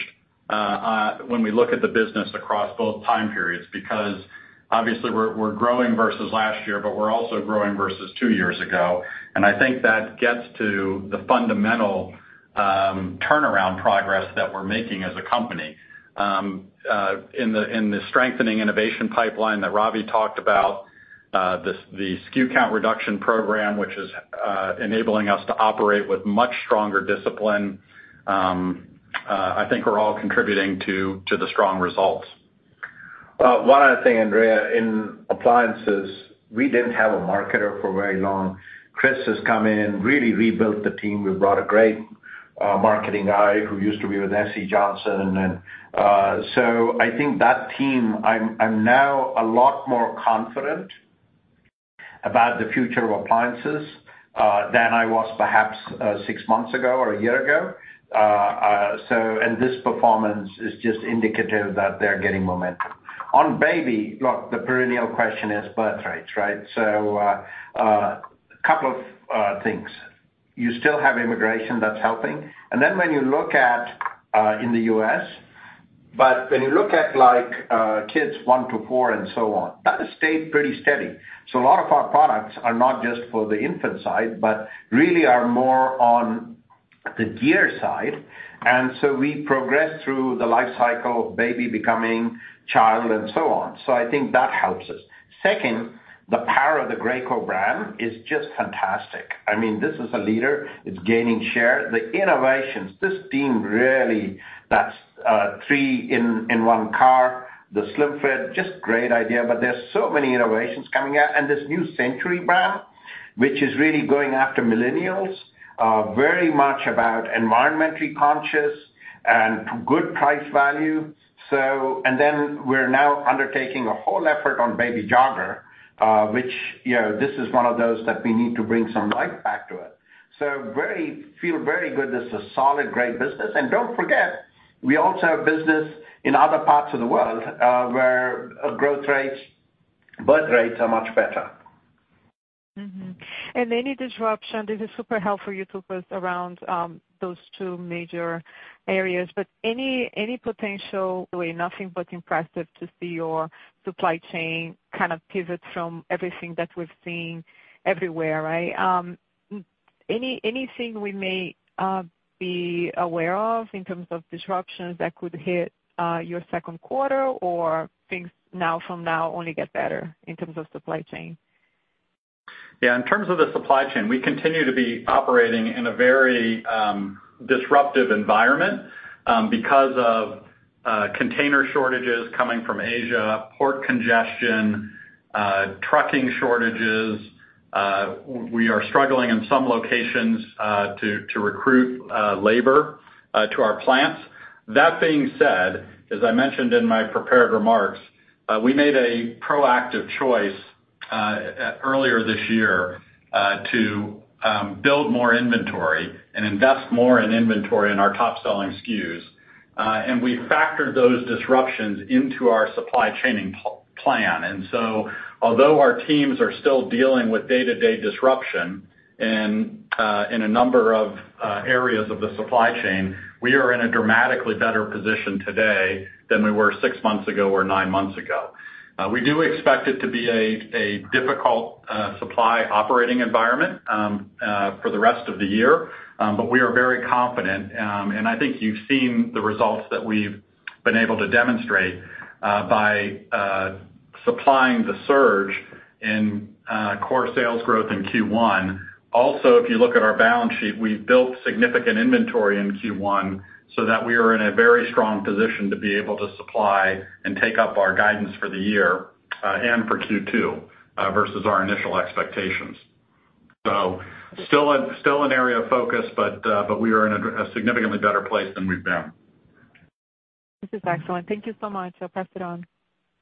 when we look at the business across both time periods, because obviously we're growing versus last year, but we're also growing versus two years ago. I think that gets to the fundamental turnaround progress that we're making as a company, in the strengthening innovation pipeline that Ravi talked about. The SKU count reduction program, which is enabling us to operate with much stronger discipline, I think are all contributing to the strong results. One other thing, Andrea. In appliances, we didn't have a marketer for very long. Chris has come in, really rebuilt the team. We've brought a great marketing guy who used to be with SC Johnson. I think that team, I'm now a lot more confident about the future of appliances, than I was perhaps six months ago or a year ago. This performance is just indicative that they're getting momentum. On Baby, look, the perennial question is birth rates, right? A couple of things. You still have immigration that's helping. When you look at, in the U.S., when you look at like, kids one to four and so on, that has stayed pretty steady. A lot of our products are not just for the infant side, but really are more on the gear side. We progress through the life cycle of baby becoming child and so on. I think that helps us. Second. The power of the Graco brand is just fantastic. This is a leader. It's gaining share. The innovations, this team really, that three in one car, the SlimFit, just a great idea. There's so many innovations coming out. This new Century brand, which is really going after millennials, very much about environmentally conscious and good price value. Then we're now undertaking a whole effort on Baby Jogger, which is one of those that we need to bring some life back to it. Feel very good this is a solid, great business. Don't forget, we also have business in other parts of the world, where birthrates are much better. Any disruption, this is super helpful, you two, around those two major areas. Really nothing but impressive to see your supply chain kind of pivot from everything that we've seen everywhere, right? Anything we may be aware of in terms of disruptions that could hit your second quarter, or things from now only get better in terms of supply chain? Yeah. In terms of the supply chain, we continue to be operating in a very disruptive environment because of container shortages coming from Asia, port congestion, trucking shortages. We are struggling in some locations to recruit labor to our plants. That being said, as I mentioned in my prepared remarks, we made a proactive choice earlier this year to build more inventory and invest more in inventory in our top-selling SKUs. We factored those disruptions into our supply chaining plan. Although our teams are still dealing with day-to-day disruption in a number of areas of the supply chain, we are in a dramatically better position today than we were six months ago or nine months ago. We do expect it to be a difficult supply operating environment for the rest of the year. We are very confident, and I think you've seen the results that we've been able to demonstrate by supplying the surge in core sales growth in Q1. Also, if you look at our balance sheet, we've built significant inventory in Q1 so that we are in a very strong position to be able to supply and take up our guidance for the year and for Q2 versus our initial expectations. Still an area of focus, but we are in a significantly better place than we've been. This is excellent. Thank you so much. I press it on.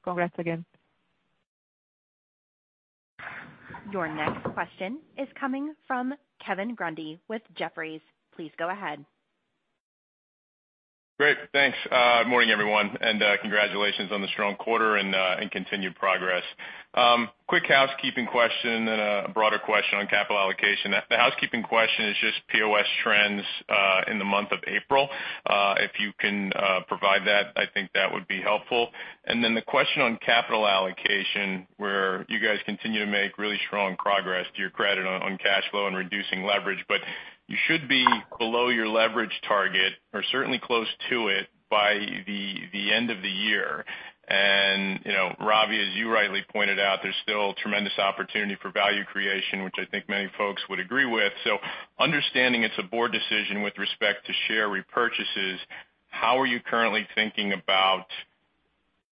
Congrats again. Your next question is coming from Kevin Grundy with Jefferies. Please go ahead. Great, thanks. Good morning, everyone, congratulations on the strong quarter and continued progress. Quick housekeeping question, a broader question on capital allocation. The housekeeping question is just POS trends in the month of April. If you can provide that, I think that would be helpful. The question on capital allocation, where you guys continue to make really strong progress, to your credit, on cash flow and reducing leverage. You should be below your leverage target, or certainly close to it, by the end of the year. Ravi, as you rightly pointed out, there's still tremendous opportunity for value creation, which I think many folks would agree with. Understanding it's a board decision with respect to share repurchases, how are you currently thinking about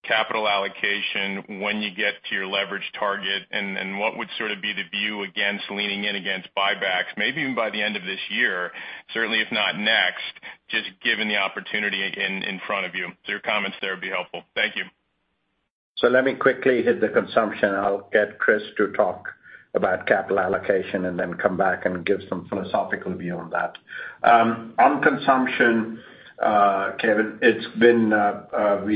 capital allocation when you get to your leverage target, and what would sort of be the view against leaning in against buybacks, maybe even by the end of this year, certainly if not next, just given the opportunity in front of you? Your comments there would be helpful. Thank you. Let me quickly hit the consumption. I'll get Chris to talk about capital allocation and then come back and give some philosophical view on that. On consumption, Kevin, it's been throughout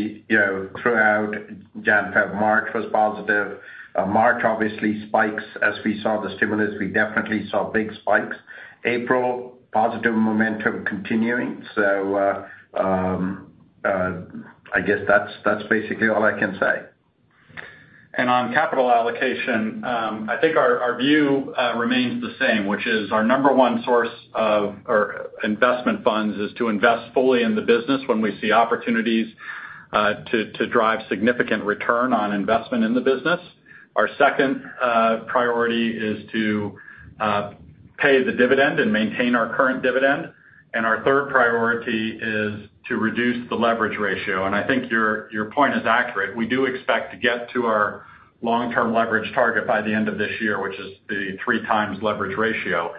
January, February, March was positive. March obviously spikes. As we saw the stimulus, we definitely saw big spikes. April, positive momentum continuing. I guess that's basically all I can say. On capital allocation, I think our view remains the same, which is our number one source of our investment funds is to invest fully in the business when we see opportunities to drive significant return on investment in the business. Our second priority is to pay the dividend and maintain our current dividend. Our third priority is to reduce the leverage ratio. I think your point is accurate. We do expect to get to our long-term leverage target by the end of this year, which is the three times leverage ratio.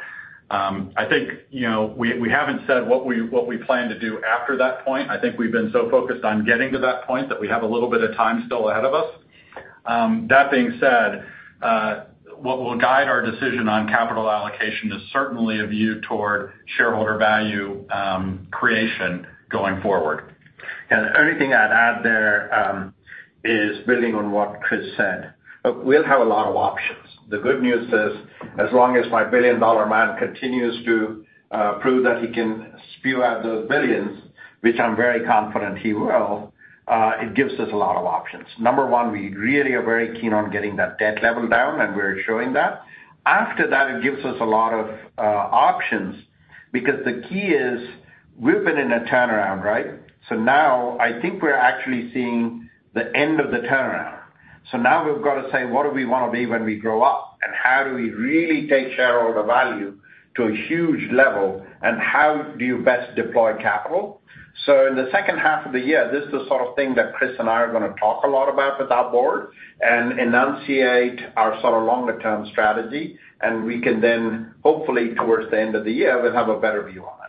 I think we haven't said what we plan to do after that point. I think we've been so focused on getting to that point that we have a little bit of time still ahead of us. That being said, what will guide our decision on capital allocation is certainly a view toward shareholder value creation going forward. The only thing I'd add there is, building on what Chris said, we'll have a lot of options. The good news is, as long as my billion-dollar man continues to prove that he can spew out those billions, which I'm very confident he will, it gives us a lot of options. Number one, we really are very keen on getting that debt level down, and we're showing that. After that, it gives us a lot of options because the key is we've been in a turnaround, right? Now I think we're actually seeing the end of the turnaround. Now we've got to say, what do we want to be when we grow up? How do we really take shareholder value to a huge level and how do you best deploy capital? In the second half of the year, this is the sort of thing that Chris and I are going to talk a lot about with our board and enunciate our sort of longer term strategy, and we can then hopefully towards the end of the year, we'll have a better view on it.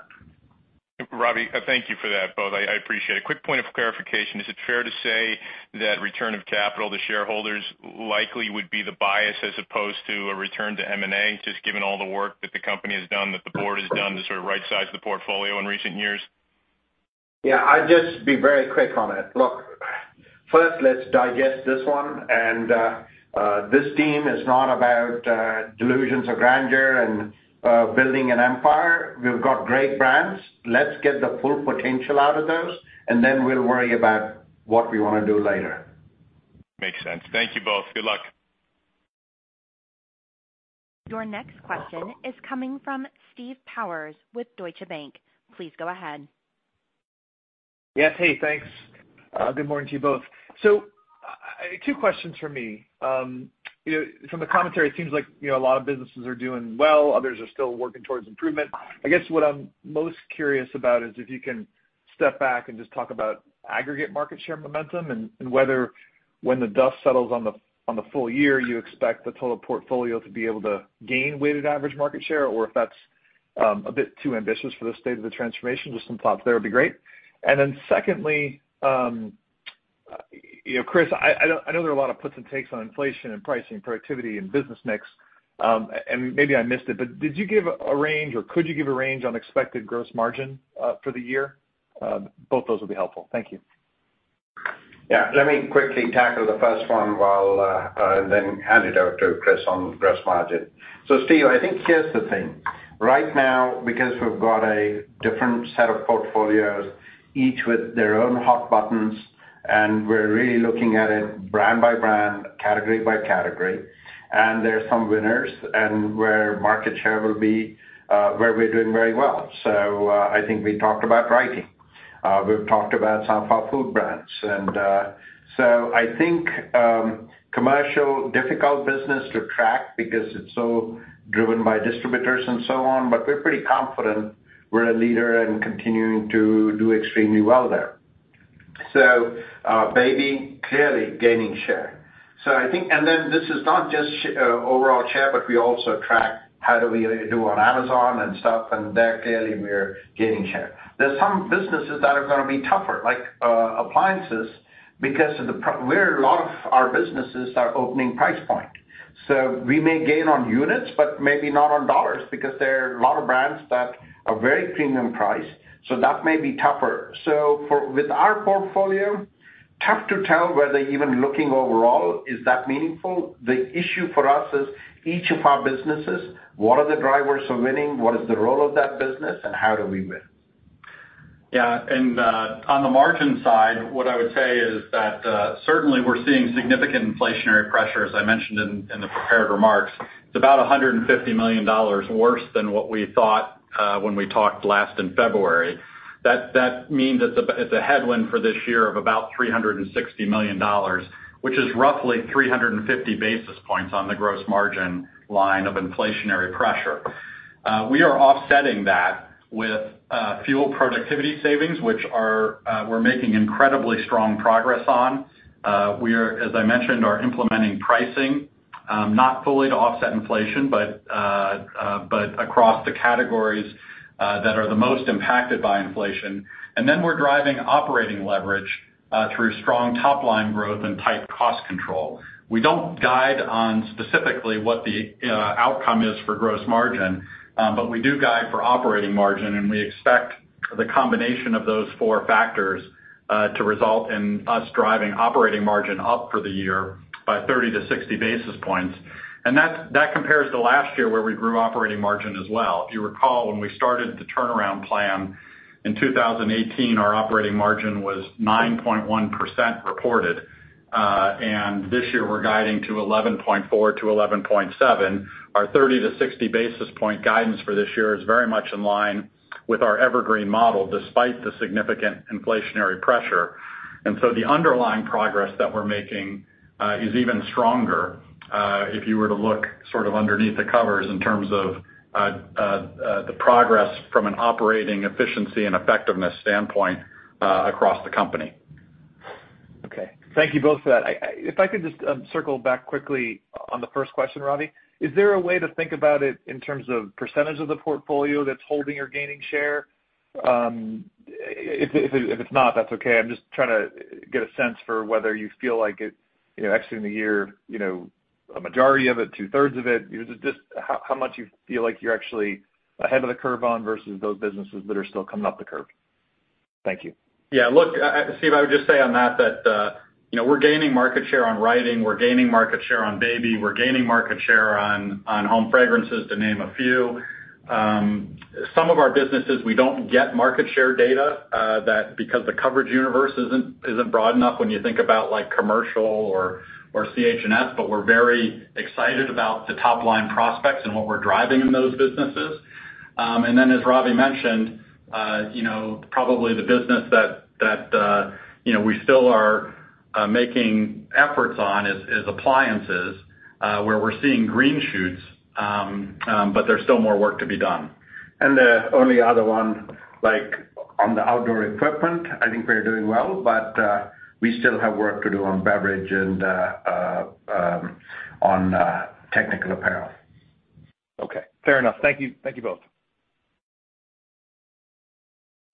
Ravi, thank you for that both. I appreciate it. Quick point of clarification. Is it fair to say that return of capital to shareholders likely would be the bias as opposed to a return to M&A, just given all the work that the company has done, that the board has done to sort of right size the portfolio in recent years? Yeah, I'll just be very quick on it. Look, first, let's digest this one. This team is not about delusions of grandeur and building an empire. We've got great brands. Let's get the full potential out of those, and then we'll worry about what we want to do later. Makes sense. Thank you both. Good luck. Your next question is coming from Steve Powers with Deutsche Bank. Please go ahead. Yes. Hey, thanks. Good morning to you both. Two questions from me. From the commentary, it seems like a lot of businesses are doing well, others are still working towards improvement. I guess what I'm most curious about is if you can step back and just talk about aggregate market share momentum and whether when the dust settles on the full year, you expect the total portfolio to be able to gain weighted average market share, or if that's a bit too ambitious for the state of the transformation. Just some thoughts there would be great. Then secondly, Chris, I know there are a lot of puts and takes on inflation and pricing, productivity and business mix. Maybe I missed it, but did you give a range or could you give a range on expected gross margin for the year? Both those would be helpful. Thank you. Yeah. Let me quickly tackle the first one and then hand it over to Chris on gross margin. Steve, I think here's the thing. Right now, because we've got a different set of portfolios, each with their own hot buttons, and we're really looking at it brand by brand, category by category. There are some winners and where market share will be, where we're doing very well. I think we talked about writing. We've talked about some of our food brands and, I think, commercial, difficult business to track because it's so driven by distributors and so on. We're pretty confident we're a leader and continuing to do extremely well there. Baby, clearly gaining share. This is not just overall share, but we also track how do we do on Amazon and stuff, and there clearly we're gaining share. There are some businesses that are going to be tougher, like appliances because a lot of our businesses are opening price point. We may gain on units, but maybe not on $ because there are a lot of brands that are very premium priced, so that may be tougher. With our portfolio, tough to tell whether even looking overall is that meaningful. The issue for us is each of our businesses, what are the drivers of winning, what is the role of that business, and how do we win? Yeah. On the margin side, what I would say is that, certainly we're seeing significant inflationary pressure, as I mentioned in the prepared remarks. It's about $150 million worse than what we thought, when we talked last in February. That means it's a headwind for this year of about $360 million, which is roughly 350 basis points on the gross margin line of inflationary pressure. We are offsetting that with FUEL productivity savings, which we're making incredibly strong progress on. We, as I mentioned, are implementing pricing, not fully to offset inflation, but across the categories that are the most impacted by inflation. We're driving operating leverage through strong top-line growth and tight cost control. We don't guide on specifically what the outcome is for gross margin. We do guide for operating margin. We expect the combination of those four factors to result in us driving operating margin up for the year by 30 to 60 basis points. That compares to last year where we grew operating margin as well. If you recall, when we started the turnaround plan in 2018, our operating margin was 9.1% reported. This year we're guiding to 11.4%-11.7%. Our 30 to 60 basis point guidance for this year is very much in line with our evergreen model, despite the significant inflationary pressure. The underlying progress that we're making is even stronger, if you were to look sort of underneath the covers in terms of the progress from an operating efficiency and effectiveness standpoint across the company. Okay. Thank you both for that. If I could just circle back quickly on the first question, Ravi. Is there a way to think about it in terms of % of the portfolio that's holding or gaining share? If it's not, that's okay. I'm just trying to get a sense for whether you feel like it exiting the year, a majority of it, two-thirds of it. Just how much you feel like you're actually ahead of the curve on versus those businesses that are still coming up the curve. Thank you. Yeah, look, Steve, I would just say on that, we're gaining market share on writing. We're gaining market share on baby. We're gaining market share on home fragrances, to name a few. Some of our businesses, we don't get market share data, because the coverage universe isn't broad enough when you think about commercial or CH&S, but we're very excited about the top-line prospects and what we're driving in those businesses. As Ravi mentioned, probably the business that we still are making efforts on is appliances, where we're seeing green shoots, but there's still more work to be done. The only other one, on the outdoor equipment, I think we are doing well, but we still have work to do on beverage and on technical apparel. Okay. Fair enough. Thank you both.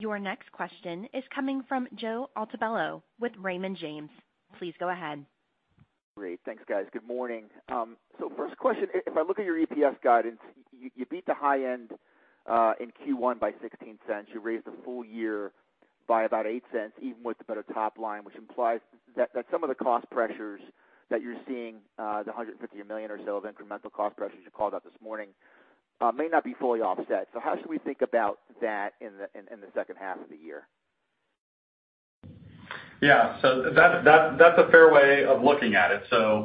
Your next question is coming from Joseph Altobello with Raymond James. Please go ahead. Great. Thanks, guys. Good morning. First question, if I look at your EPS guidance, you beat the high end in Q1 by $0.16. You raised the full year by about $0.08, even with the better top line, which implies that some of the cost pressures that you're seeing, the $150 million or so of incremental cost pressures you called out this morning, may not be fully offset. How should we think about that in the second half of the year? Yeah. That's a fair way of looking at it.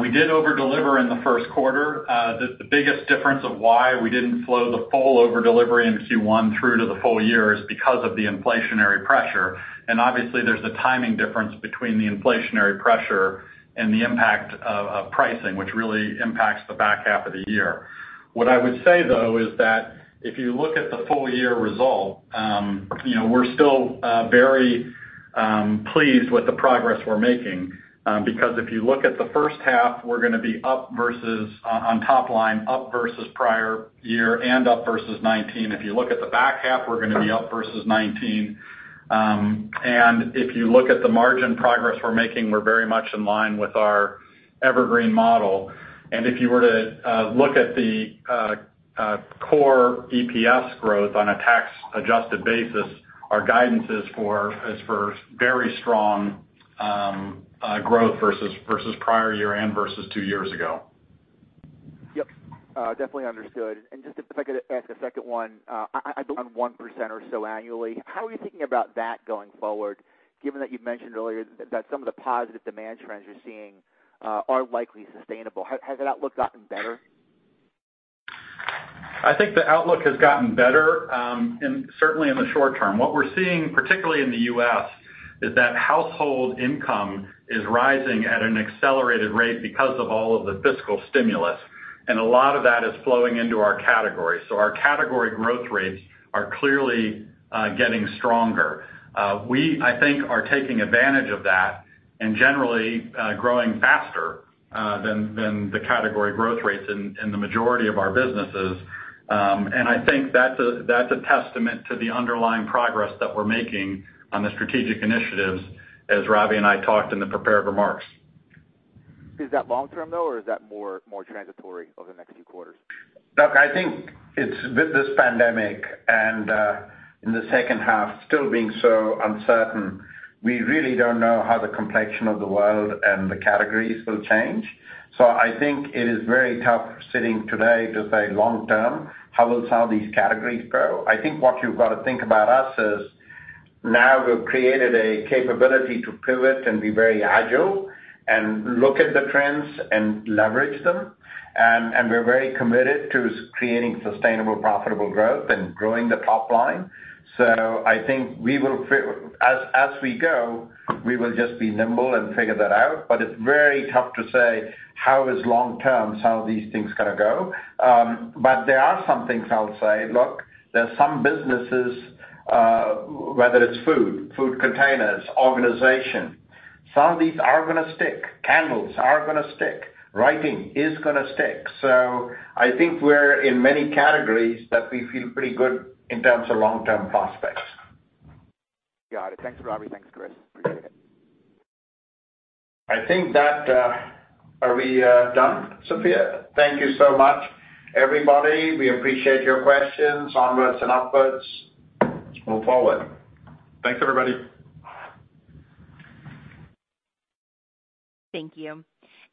We did over-deliver in the first quarter. The biggest difference of why we didn't flow the full over-delivery in Q1 through to the full year is because of the inflationary pressure, and obviously there's a timing difference between the inflationary pressure and the impact of pricing, which really impacts the back half of the year. What I would say, though, is that if you look at the full-year result, we're still very pleased with the progress we're making. If you look at the first half, we're going to be up versus on top line, up versus prior year and up versus 2019. If you look at the back half, we're going to be up versus 2019. If you look at the margin progress we're making, we're very much in line with our evergreen model. If you were to look at the core EPS growth on a tax-adjusted basis, our guidance is for very strong growth versus prior year and versus two years ago. Yep. Definitely understood. Just if I could ask a second one, on 1% or so annually, how are you thinking about that going forward, given that you mentioned earlier that some of the positive demand trends you're seeing are likely sustainable. Has that outlook gotten better? I think the outlook has gotten better, certainly in the short term. What we're seeing, particularly in the U.S., is that household income is rising at an accelerated rate because of all of the fiscal stimulus, a lot of that is flowing into our category. Our category growth rates are clearly getting stronger. We, I think, are taking advantage of that and generally growing faster than the category growth rates in the majority of our businesses. I think that's a testament to the underlying progress that we're making on the strategic initiatives, as Ravi and I talked in the prepared remarks. Is that long term, though, or is that more transitory over the next few quarters? Look, I think it's with this pandemic and in the second half still being so uncertain, we really don't know how the complexion of the world and the categories will change. I think it is very tough sitting today to say long term, how will some of these categories grow? I think what you've got to think about us is now we've created a capability to pivot and be very agile and look at the trends and leverage them, and we're very committed to creating sustainable, profitable growth and growing the top line. I think as we go, we will just be nimble and figure that out. It's very tough to say how is long term, some of these things going to go. There are some things I'll say. Look, there are some businesses, whether it's food containers, organization, some of these are going to stick. Candles are going to stick. Writing is going to stick. I think we're in many categories that we feel pretty good in terms of long-term prospects. Got it. Thanks, Ravi. Thanks, Chris. Appreciate it. Are we done, Sofya? Thank you so much, everybody. We appreciate your questions. Onwards and upwards. Let's move forward. Thanks, everybody. Thank you.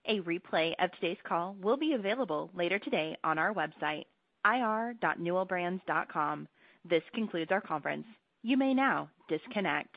A replay of today's call will be available later today on our website, ir.newellbrands.com. This concludes our conference. You may now disconnect.